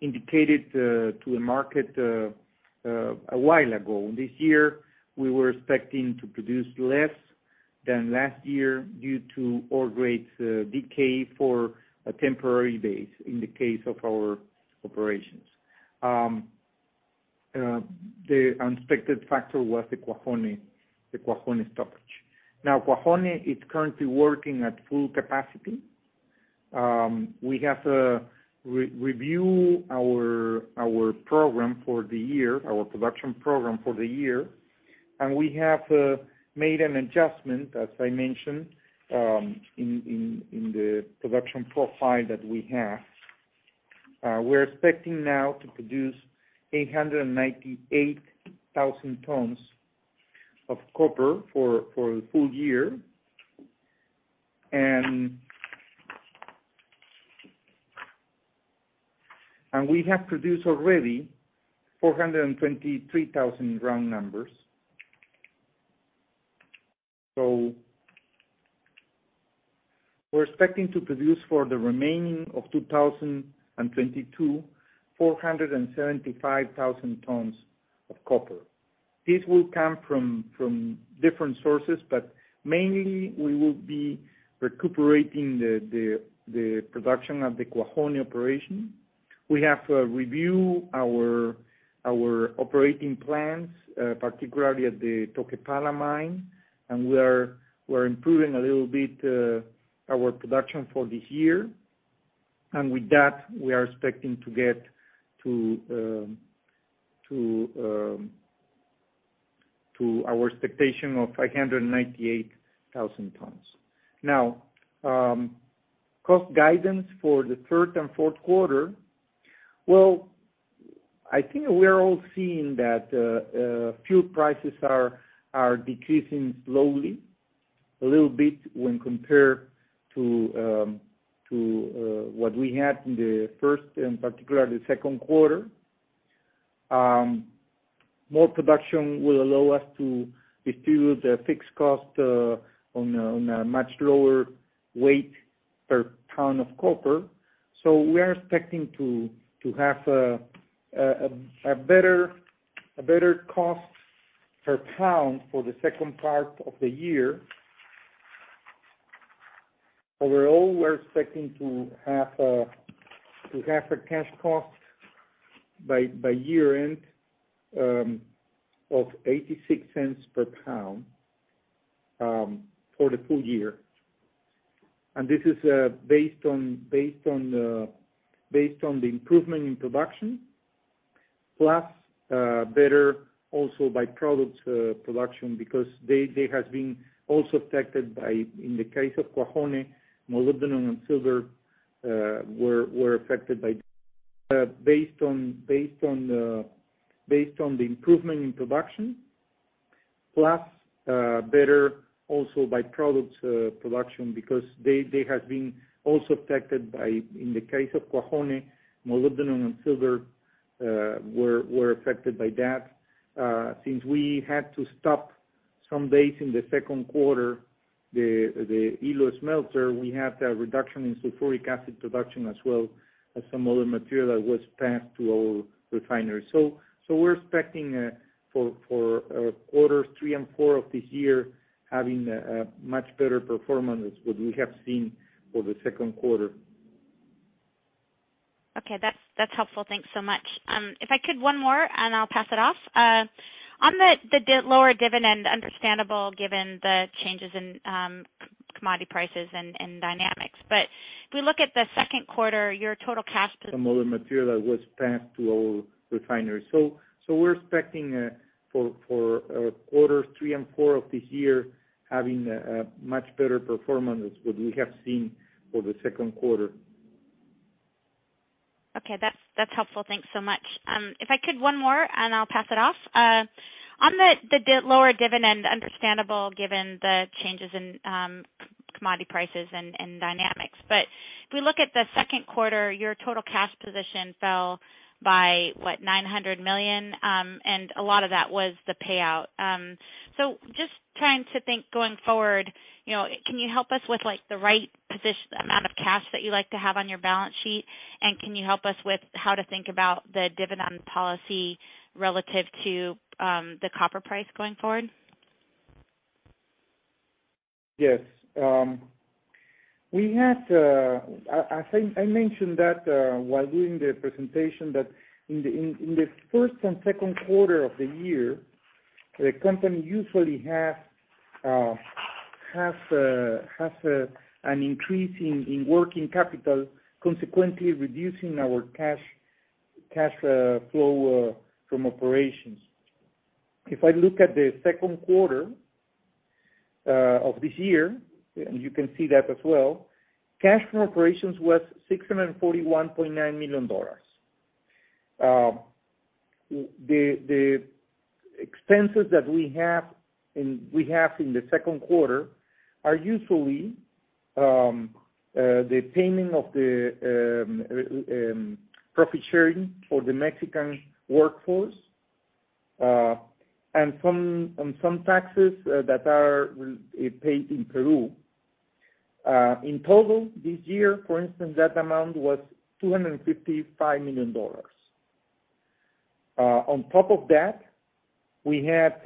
indicated to the market a while ago. This year, we were expecting to produce less than last year due to ore grades decay for a temporary basis in the case of our operations. The unexpected factor was the Cuajone stoppage. Now, Cuajone is currently working at full capacity. We have reviewed our program for the year, our production program for the year, and we have made an adjustment, as I mentioned, in the production profile that we have. We're expecting now to produce 898,000 tons of copper for the full year. We have produced already 423,000 tons, round numbers. We're expecting to produce for the remaining of 2022, 475,000 tons of copper. This will come from different sources, but mainly we will be recuperating the production of the Cuajone operation. We have to review our operating plans, particularly at the Toquepala mine. We are improving a little bit our production for the year. With that, we are expecting to get to our expectation of 598,000 tons. Now, cost guidance for the third and fourth quarter. Well, I think we're all seeing that fuel prices are decreasing slowly, a little bit when compared to what we had in the first and particularly the second quarter. More production will allow us to dilute the fixed cost on a much lower weight per ton of copper. We are expecting to have a better cost per pound for the second part of the year. Overall, we're expecting to have a cash cost by year-end of $0.86 per pound for the full year. This is based on the improvement in production, plus better also by-products production because they have been also affected by, in the case of Cuajone, molybdenum and silver were affected by that. Since we had to stop some days in the second quarter, the Ilo Smelter, we had a reduction in sulfuric acid production as well as some other material that was passed to our refinery. We're expecting for quarters three and four of this year having a much better performance which we have seen for the second quarter. Okay. That's helpful. Thanks so much. If I could one more, and I'll pass it off. On the lower dividend, understandable given the changes in commodity prices and dynamics. If we look at the second quarter, your total cash Some other material that was passed to our refinery. We're expecting for quarters three and four of this year having a much better performance which we have seen for the second quarter. Okay. That's helpful. Thanks so much. If I could one more, and I'll pass it off. On the lower dividend, understandable given the changes in commodity prices and dynamics. If we look at the second quarter, your total cash position fell by $900 million. A lot of that was the payout. Just trying to think going forward, you know, can you help us with like the right amount of cash that you like to have on your balance sheet? Can you help us with how to think about the dividend policy relative to the copper price going forward? Yes. I think I mentioned that while doing the presentation that in the first and second quarter of the year, the company usually has an increase in working capital, consequently reducing our cash flow from operations. If I look at the second quarter of this year, and you can see that as well, cash from operations was $641.9 million. The expenses that we have in the second quarter are usually the payment of the profit sharing for the Mexican workforce, and some taxes that are paid in Peru. In total this year, for instance, that amount was $255 million. On top of that, we had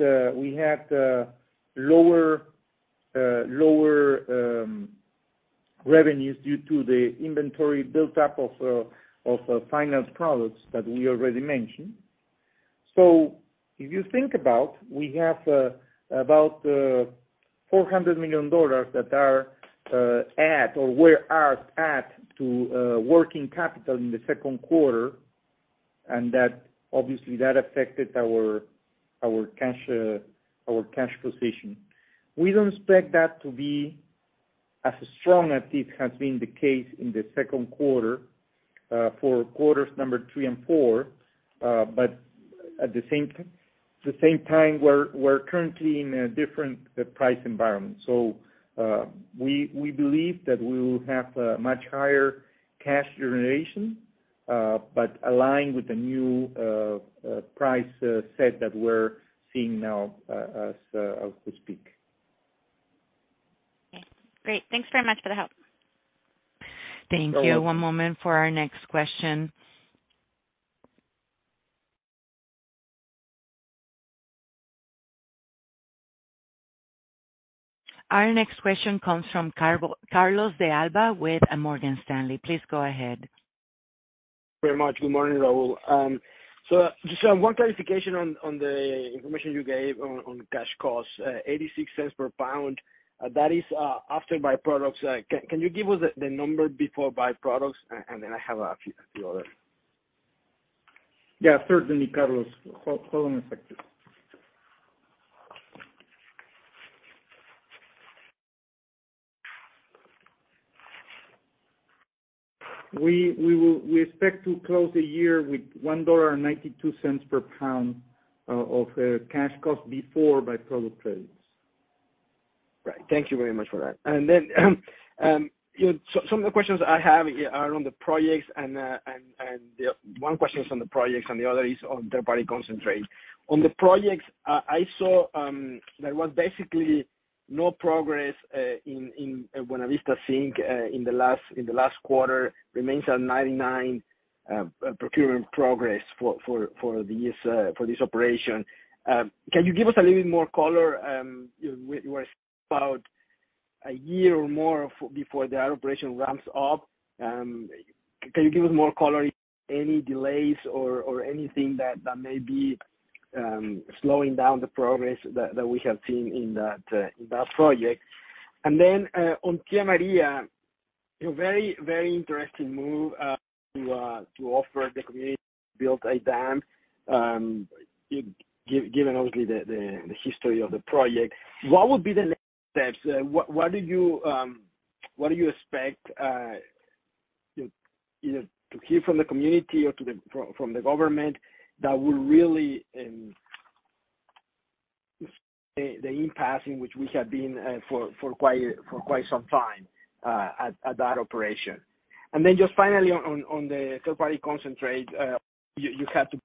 lower revenues due to the inventory buildup of finished products that we already mentioned. If you think about, we have about $400 million that were added to working capital in the second quarter, and that obviously affected our cash position. We don't expect that to be as strong as this has been the case in the second quarter for quarters number 3 and 4, but at the same time we're currently in a different price environment. We believe that we will have a much higher cash generation, but aligned with the new price set that we're seeing now, so to speak. Okay, great. Thanks very much for the help. No worries. Thank you. One moment for our next question. Our next question comes from Carlos de Alba with Morgan Stanley. Please go ahead. Very much. Good morning, Raul. Just one clarification on the information you gave on cash costs, $0.86 per pound, that is after byproducts. Can you give us the number before byproducts? And then I have a few other. Yeah. Certainly, Carlos. Hold on one second. We expect to close the year with $1.92 per pound of cash cost before byproduct credits. Right. Thank you very much for that. Then, you know, some of the questions I have are on the projects. One question is on the projects and the other is on third-party concentrate. On the projects, I saw there was basically no progress in Buenavista Zinc in the last quarter. Remains at 99 procurement progress for this operation. Can you give us a little bit more color? You know, we're about a year or more of before that operation ramps up. Can you give us more color, any delays or anything that may be slowing down the progress that we have seen in that project? On Tía María, a very interesting move to offer the community to build a dam, given obviously the history of the project. What would be the next steps? What do you expect either to hear from the community or from the government that will really break the impasse in which we have been for quite some time at that operation? Just finally on the third party concentrate, you had to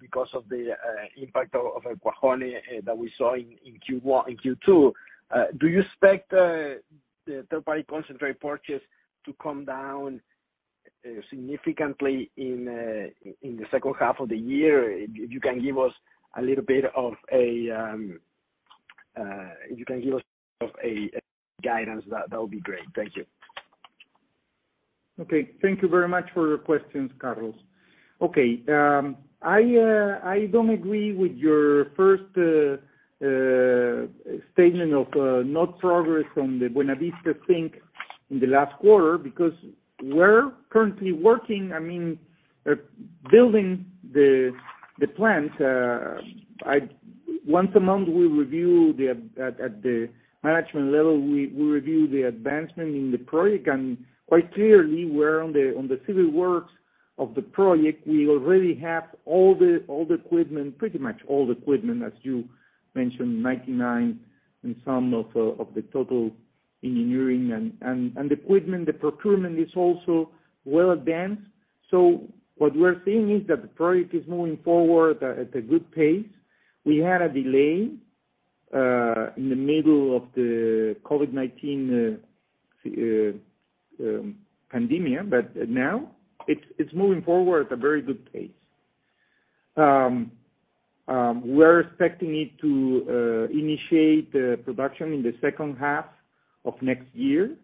because of the impact of Cuajone that we saw in Q1 and Q2. Do you expect the third party concentrate purchase to come down significantly in the second half of the year? If you can give us a little bit of guidance, that would be great. Thank you. Thank you very much for your questions, Carlos. I don't agree with your first statement of no progress on the Buenavista Zinc in the last quarter because we're currently working, I mean, building the plant. Once a month we review at the management level the advancement in the project. Quite clearly we're on the civil works of the project. We already have all the equipment, pretty much all the equipment, as you mentioned, 99% of the total engineering and equipment. The procurement is also well advanced. What we're seeing is that the project is moving forward at a good pace. We had a delay in the middle of the COVID-19 pandemic, but now it's moving forward at a very good pace. We're expecting it to initiate production in the second half of next year.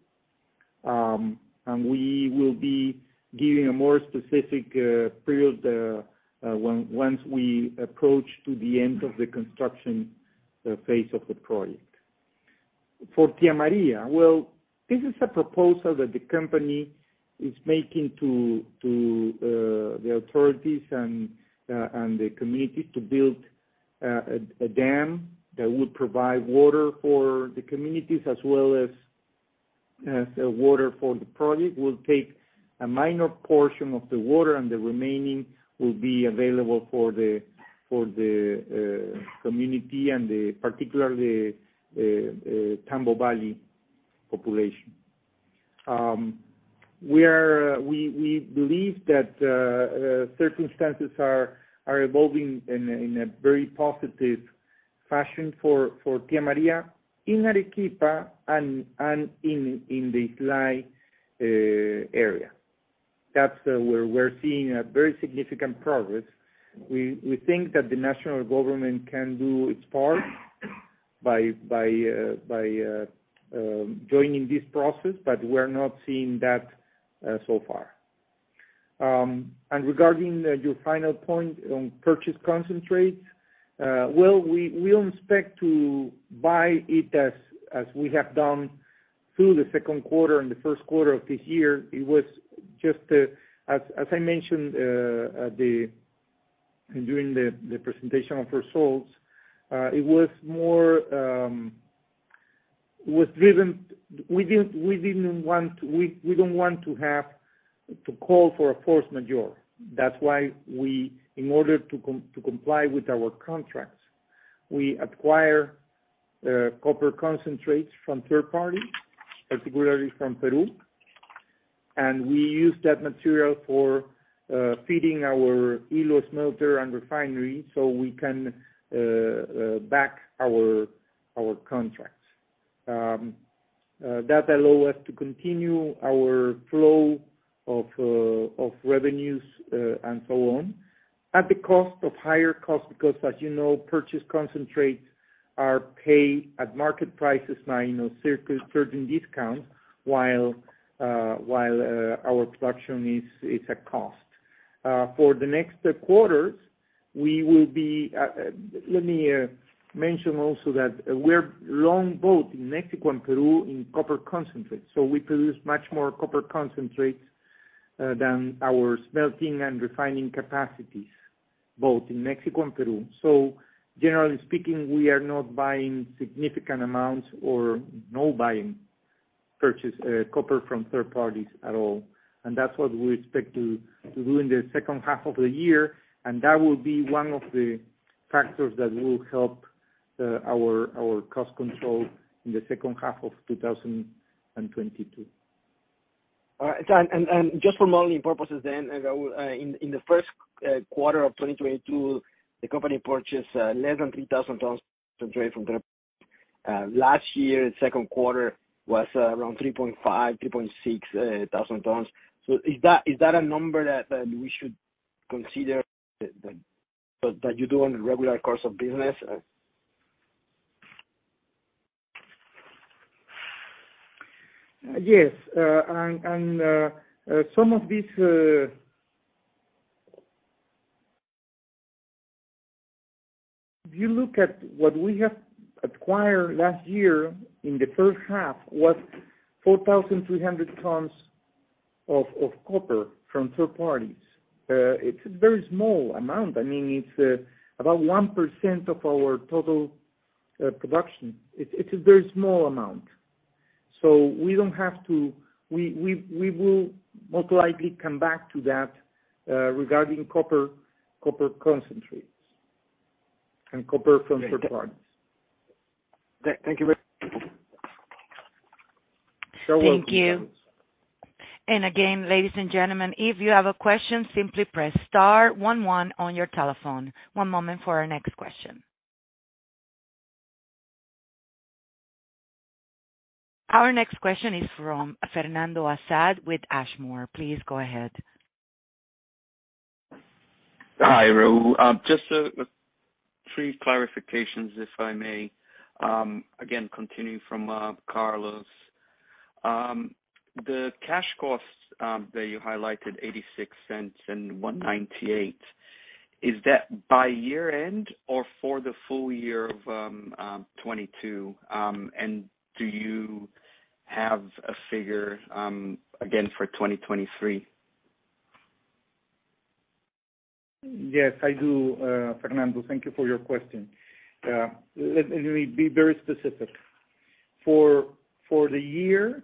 We will be giving a more specific period once we approach the end of the construction phase of the project. For Tía María, well, this is a proposal that the company is making to the authorities and the community to build a dam that would provide water for the communities as well as water for the project. We'll take a minor portion of the water and the remaining will be available for the community and particularly the Tambo Valley population. We believe that circumstances are evolving in a very positive fashion for Tía María in Arequipa and in the Islay area. That's where we're seeing a very significant progress. We think that the national government can do its part by joining this process, but we're not seeing that so far. Regarding your final point on purchase concentrates, well, we'll expect to buy it as we have done through the second quarter and the first quarter of the year. It was just as I mentioned during the presentation of results. It was more driven. We didn't want. We don't want to have to call for a force majeure. That's why we, in order to comply with our contracts, acquire copper concentrates from third party, particularly from Peru, and we use that material for feeding our Ilo Smelter and refinery so we can back our contracts. That allows us to continue our flow of revenues and so on at the cost of higher cost, because as you know, purchased concentrates are paid at market prices now, you know, certain discounts while our production is at cost. For the next quarters, we will be, let me mention also that we're long both in Mexico and Peru in copper concentrate, so we produce much more copper concentrate than our smelting and refining capacities, both in Mexico and Peru. Generally speaking, we are not buying significant amounts or purchases of copper from third parties at all. That's what we expect to do in the second half of the year, and that will be one of the factors that will help our cost control in the second half of 2022. All right. Just for modeling purposes then, Raul, in the first quarter of 2022, the company purchased less than 3,000 tons from third parties. Last year, second quarter was around 3.5-3.6 thousand tons. Is that a number that we should consider that you do on a regular course of business? Yes. Some of these. If you look at what we have acquired last year in the first half was 4,300 tons of copper from third parties. It's a very small amount. I mean, it's about 1% of our total production. It's a very small amount. We will most likely come back to that regarding copper concentrates and copper from third parties. Thank you very much. You're welcome. Thank you. Again, ladies and gentlemen, if you have a question, simply press star one one on your telephone. One moment for our next question. Our next question is from Fernando Assad with Ashmore. Please go ahead. Hi, Raul. Just three clarifications, if I may, again, continuing from Carlos. The cash costs that you highlighted, $0.86 and $1.98, is that by year-end or for the full year of 2022? Do you have a figure, again for 2023? Yes, I do, Fernando. Thank you for your question. Let me be very specific. For the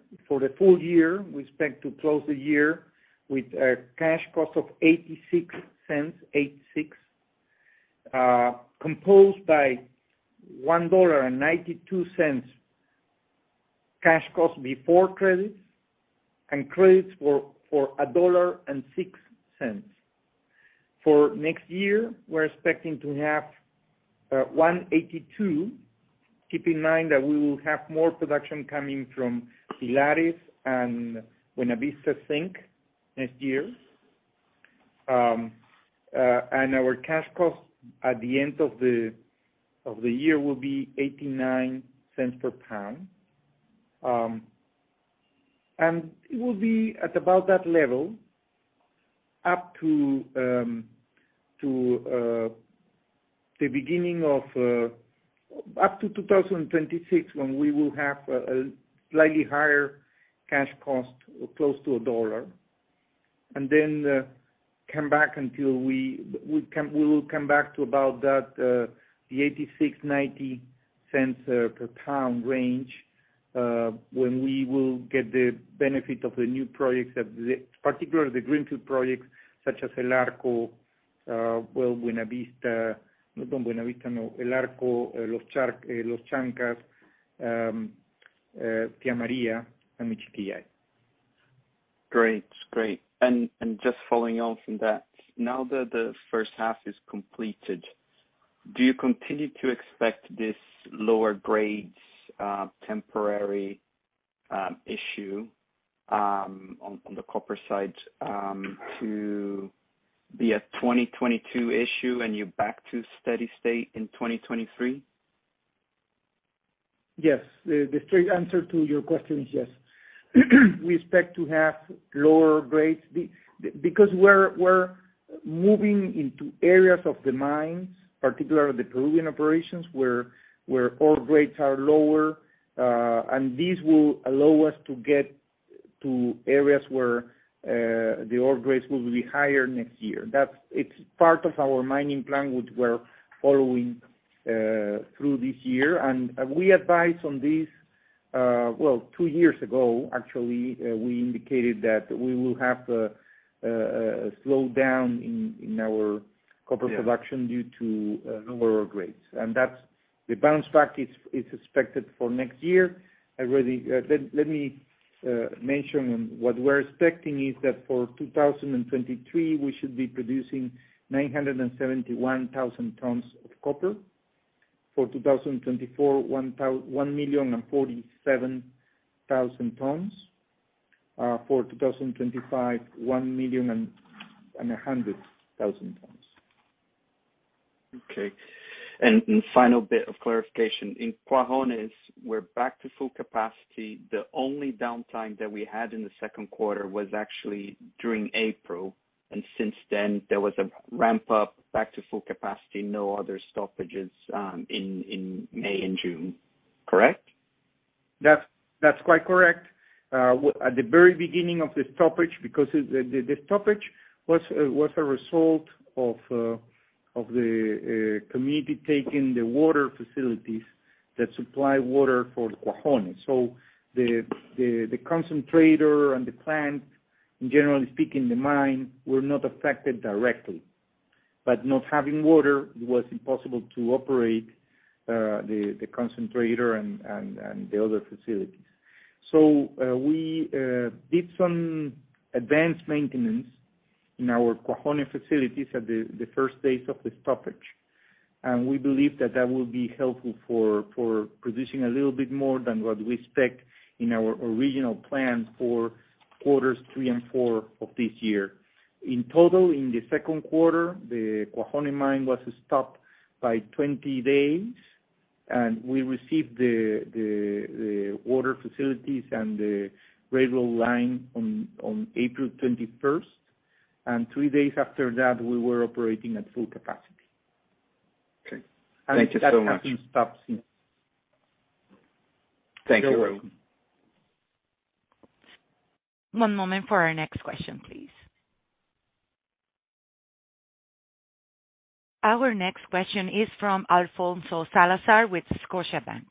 full year, we expect to close the year with a cash cost of $0.86, composed by $1.92 cash cost before credits, and credits for $1.06. For next year, we're expecting to have $1.82. Keep in mind that we will have more production coming from Pilares and Buenavista Zinc next year. Our cash costs at the end of the year will be $0.89 per pound. It will be at about that level up to the beginning of 2026, when we will have a slightly higher cash cost, close to $1, and then come back until we will come back to about that, the $0.86-$0.90 per pound range, when we will get the benefit of the new projects that, particularly the greenfield projects such as El Arco, well, Buenavista. No Buenavista, no El Arco, Los Chancas, Tía María and Michiquillay. Great. Just following on from that, now that the first half is completed, do you continue to expect this lower grades, temporary issue on the copper side to be a 2022 issue and you're back to steady state in 2023? Yes. The straight answer to your question is yes. We expect to have lower grades because we're moving into areas of the mines, particularly the Peruvian operations, where ore grades are lower, and this will allow us to get to areas where the ore grades will be higher next year. It's part of our mining plan which we're following through this year. We advised on this, well, two years ago, actually, we indicated that we will have a slowdown in our copper production. Yeah. due to lower grades. That's the balance package is expected for next year. Let me mention what we're expecting is that for 2023, we should be producing 971,000 tons of copper. For 2024, 1,047,000 tons. For 2025, 1,100,000 tons. Okay. Final bit of clarification. In Cuajone we're back to full capacity. The only downtime that we had in the second quarter was actually during April, and since then there was a ramp up back to full capacity, no other stoppages, in May and June. Correct? That's quite correct. At the very beginning of the stoppage, because the stoppage was a result of the community taking the water facilities that supply water for Cuajone. The concentrator and the plant, generally speaking the mine, were not affected directly. Not having water, it was impossible to operate the concentrator and the other facilities. We did some advanced maintenance in our Cuajone facilities at the first days of the stoppage. We believe that will be helpful for producing a little bit more than what we expect in our original plans for quarters three and four of this year. In total, in the second quarter, the Cuajone mine was stopped by 20 days and we received the water facilities and the railroad line on April 21st, and 3 days after that we were operating at full capacity. Okay. Thank you so much. It has been stopped since. Thank you. You're welcome. One moment for our next question, please. Our next question is from Alfonso Salazar with Scotiabank.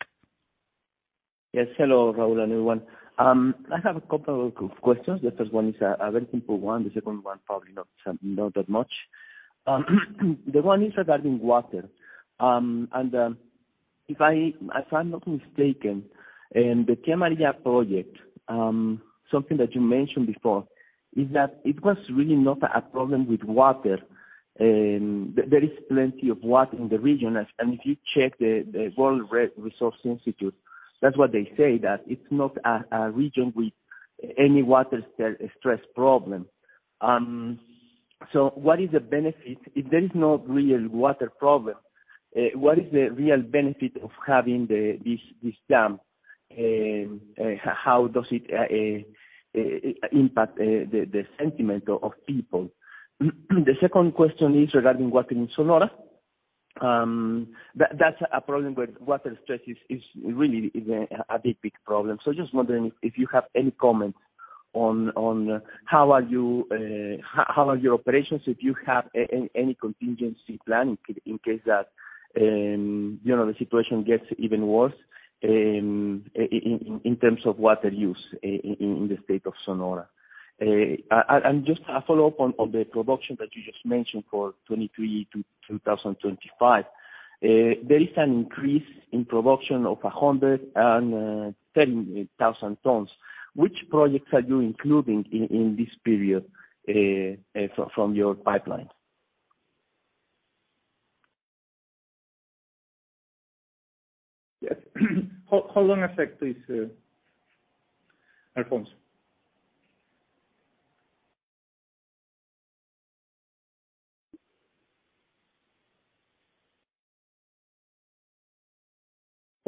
Yes. Hello, Raul and everyone. I have a couple of questions. The first one is a very simple one, the second one probably not that much. The one is regarding water. If I'm not mistaken, in the Tía María project, something that you mentioned before is that it was really not a problem with water. There is plenty of water in the region, and if you check the World Resources Institute, that's what they say, that it's not a region with any water stress problem. What is the benefit. If there is no real water problem, what is the real benefit of having this dam? How does it impact the sentiment of people? The second question is regarding water in Sonora. That's a problem where water stress is really a big problem. Just wondering if you have any comments on how are your operations. If you have any contingency plan in case that the situation gets even worse, in terms of water use in the state of Sonora. Just a follow-up on the production that you just mentioned for 2023 to 2025. There is an increase in production of 130,000 tons. Which projects are you including in this period from your pipeline? Yes. Hold on a sec please,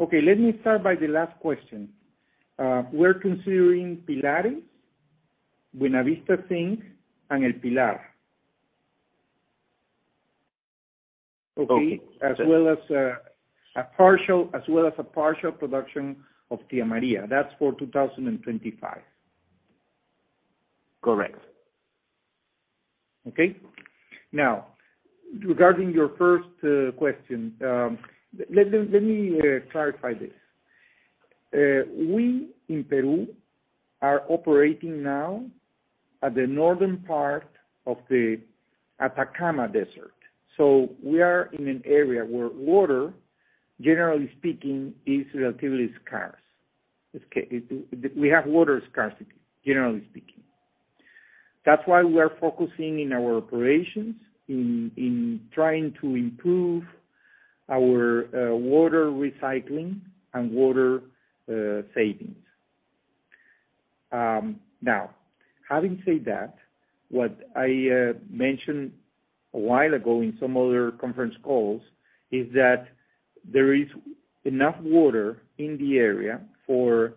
Alfonso. Okay. Let me start by the last question. We're considering in Pilares, Buenavista Zinc, and El Pilar. Okay. As well as a partial production of Tía María. That's for 2025. Correct. Okay? Now, regarding your first question. Let me clarify this. We in Peru are operating now at the northern part of the Atacama Desert. We are in an area where water, generally speaking, is relatively scarce. We have water scarcity, generally speaking. That's why we are focusing in our operations in trying to improve our water recycling and water savings. Now having said that, what I mentioned a while ago in some other conference calls is that there is enough water in the area for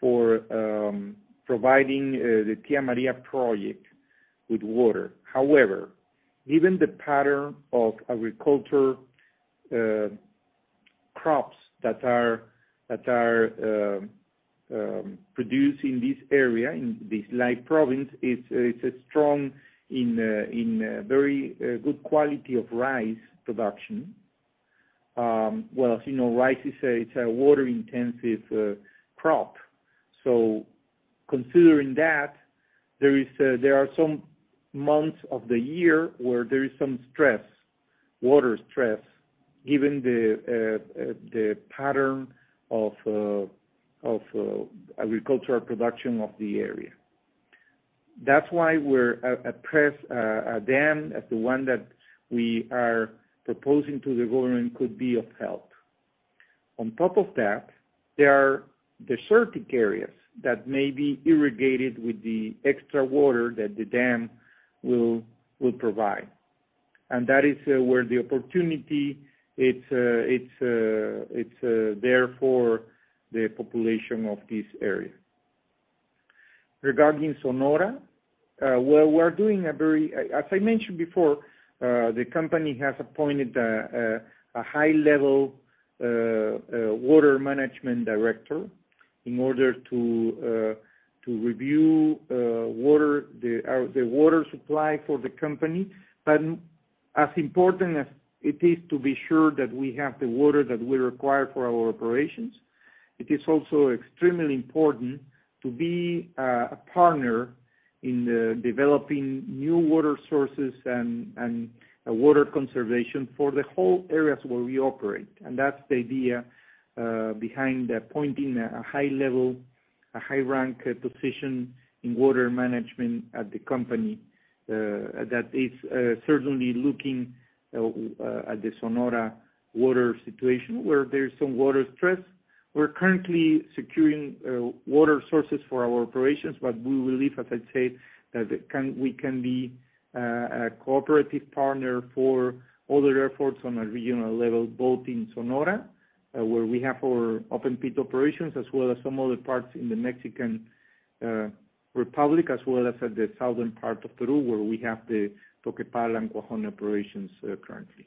providing the Tía María project with water. However, given the pattern of agriculture crops that are produced in this area, in this Islay Province, it's a strong in very good quality of rice production. Well, as you know, rice is a water-intensive crop. Considering that, there are some months of the year where there is some water stress, given the pattern of agricultural production of the area. That's why we're proposing a dam as the one that we are proposing to the government could be of help. On top of that, there are desertic areas that may be irrigated with the extra water that the dam will provide. That is where the opportunity is there for the population of this area. Regarding Sonora, as I mentioned before, the company has appointed a high-level water management director in order to review the water supply for the company. But as important as it is to be sure that we have the water that we require for our operations, it is also extremely important to be a partner in developing new water sources and water conservation for the whole areas where we operate. That's the idea behind appointing a high-level, high-rank position in water management at the company that is certainly looking at the Sonora water situation where there is some water stress. We're currently securing water sources for our operations. We believe, as I said, that we can be a cooperative partner for other efforts on a regional level, both in Sonora, where we have our open pit operations, as well as some other parts in the Mexican Republic, as well as at the southern part of Peru, where we have the Toquepala and Cuajone operations, currently.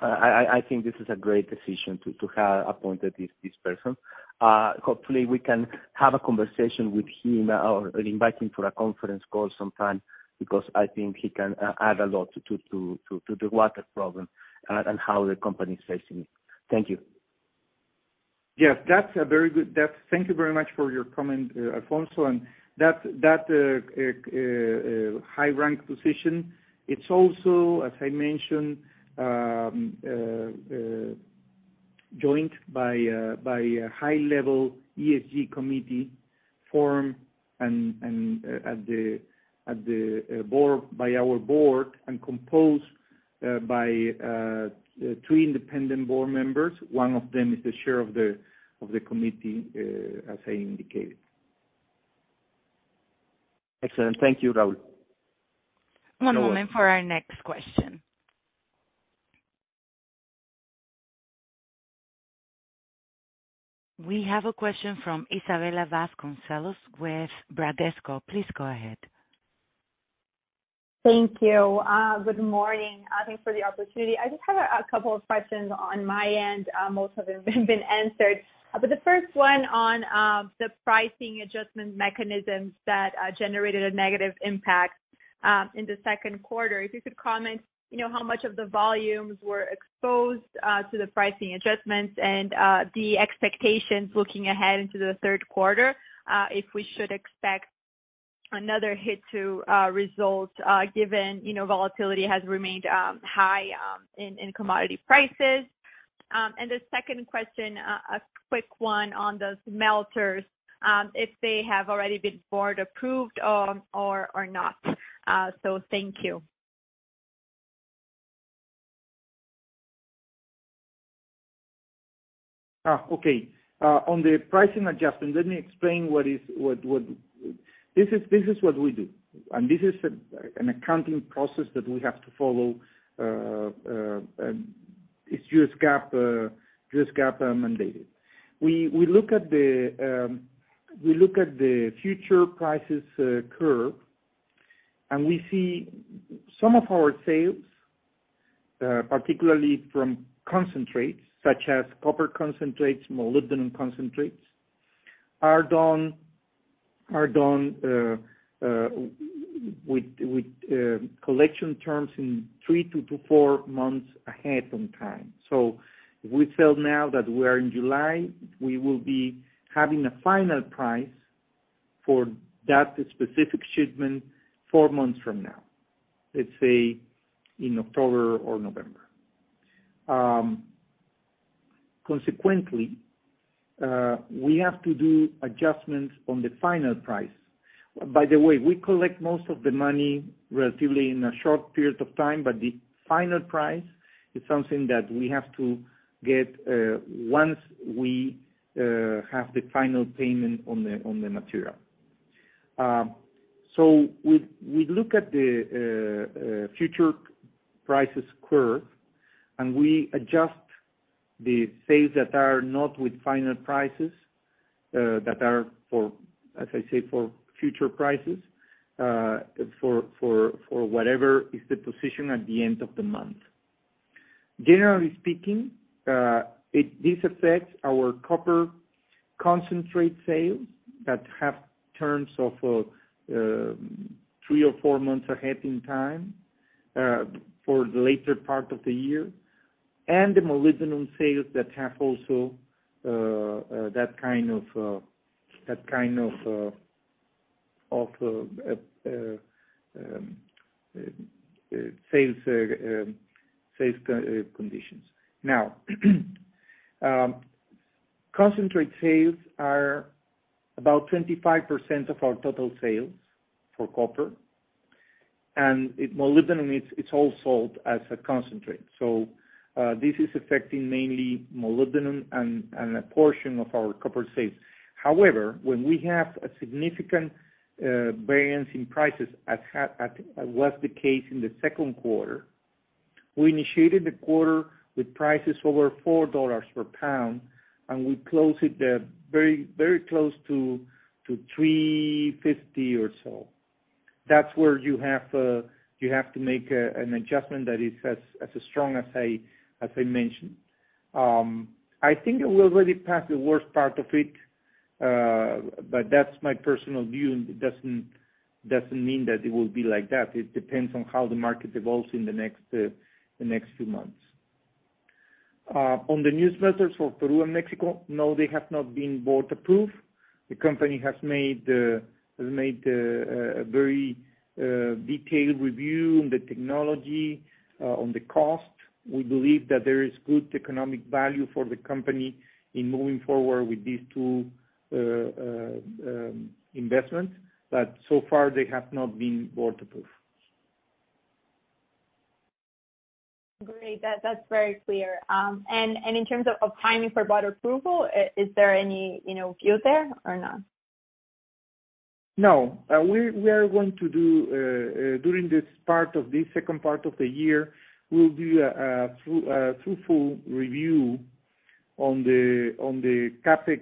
I think this is a great decision to have appointed this person. Hopefully we can have a conversation with him or invite him for a conference call sometime because I think he can add a lot to the water problem, and how the company is facing it. Thank you. Thank you very much for your comment, Alfonso. That high-rank position, it's also, as I mentioned, joined by a high-level ESG committee forum and by our board and composed by three independent board members. One of them is the chair of the committee, as I indicated. Excellent. Thank you, Raul. One moment for our next question. We have a question from Isabella Vasconcelos with Bradesco. Please go ahead. Thank you. Good morning. Thanks for the opportunity. I just have a couple of questions on my end. Most have been answered. The first one on the pricing adjustment mechanisms that generated a negative impact in the second quarter. If you could comment, you know, how much of the volumes were exposed to the pricing adjustments and the expectations looking ahead into the third quarter, if we should expect another hit to results, given, you know, volatility has remained high in commodity prices. The second question, a quick one on the smelters, if they have already been board approved or not. Thank you. On the pricing adjustment, let me explain. This is what we do, and this is an accounting process that we have to follow. It's U.S. GAAP mandated. We look at the futures price curve and we see some of our sales, particularly from concentrates such as copper concentrates, molybdenum concentrates, are done with collection terms in three to four months ahead of time. If we sell now that we are in July, we will be having a final price for that specific shipment four months from now, let's say in October or November. Consequently, we have to do adjustments on the final price. By the way, we collect most of the money relatively in a short period of time, but the final price is something that we have to get once we have the final payment on the material. We look at the futures price curve, and we adjust the sales that are not with final prices that are for, as I said, for futures prices for whatever is the position at the end of the month. Generally speaking, this affects our copper concentrate sales that have terms of three or four months ahead in time for the later part of the year, and the molybdenum sales that have also that kind of sales conditions. Now, concentrate sales are about 25% of our total sales for copper. Molybdenum, it's all sold as a concentrate. This is affecting mainly molybdenum and a portion of our copper sales. However, when we have a significant variance in prices, as was the case in the second quarter, we initiated the quarter with prices over $4 per pound, and we closed it very close to $3.50 or so. That's where you have to make an adjustment that is as strong as I mentioned. I think we're already past the worst part of it, but that's my personal view, and it doesn't mean that it will be like that. It depends on how the market evolves in the next few months. On the new smelters for Peru and Mexico, no, they have not been board approved. The company has made a very detailed review on the technology, on the cost. We believe that there is good economic value for the company in moving forward with these two investments, but so far they have not been board approved. Great. That, that's very clear. In terms of timing for board approval, is there any, you know, view there or not? No. We are going to do during this part of this second part of the year. We'll do a thorough, truthful review on the CapEx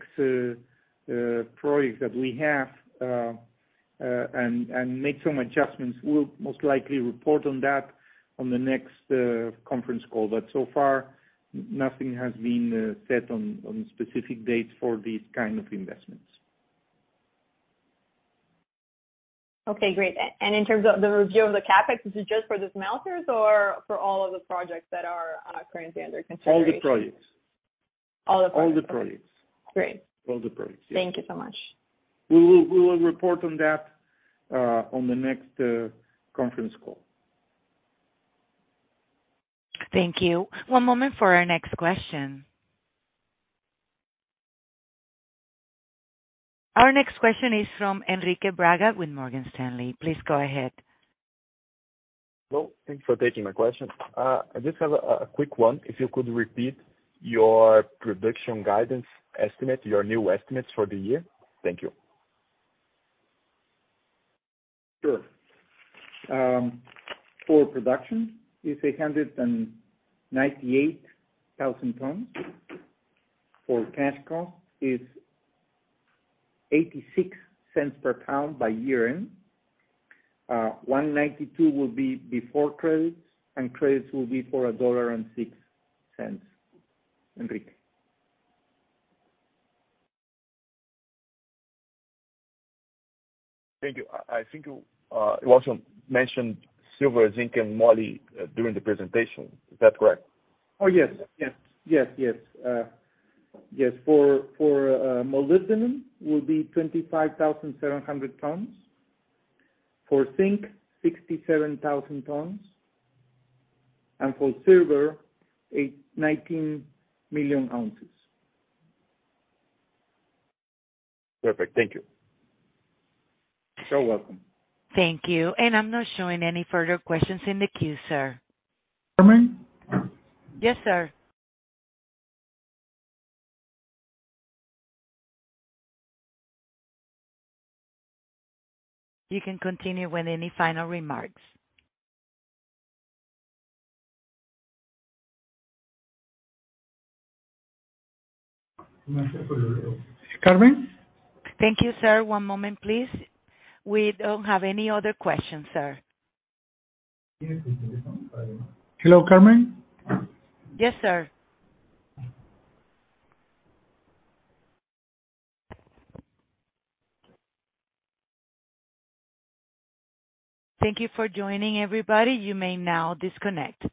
projects that we have, and make some adjustments. We'll most likely report on that on the next conference call. So far nothing has been set on specific dates for these kind of investments. Okay, great. In terms of the review of the CapEx, is it just for the smelters or for all of the projects that are currently under consideration? All the projects. All the projects. All the projects. Great. All the projects, yes. Thank you so much. We will report on that on the next conference call. Thank you. One moment for our next question. Our next question is from Henrique Braga with Morgan Stanley. Please go ahead. Well, thank you for taking my question. I just have a quick one. If you could repeat your production guidance estimate, your new estimates for the year? Thank you. Sure. For production is 198,000 tons. For cash cost is $0.86 per pound by year-end. $1.92 will be before credits, and credits will be for $1.06. Henrique. Thank you. I think you also mentioned silver, zinc, and moly during the presentation. Is that correct? Yes, for molybdenum will be 25,700 tons. For zinc, 67,000 tons. For silver, 19 million ounces. Perfect. Thank you. You're welcome. Thank you. I'm not showing any further questions in the queue, sir. Carmen? Yes, sir. You can continue with any final remarks. Carmen? Thank you, sir. One moment, please. We don't have any other questions, sir. Hello, Carmen? Yes, sir. Thank you for joining, everybody. You may now disconnect.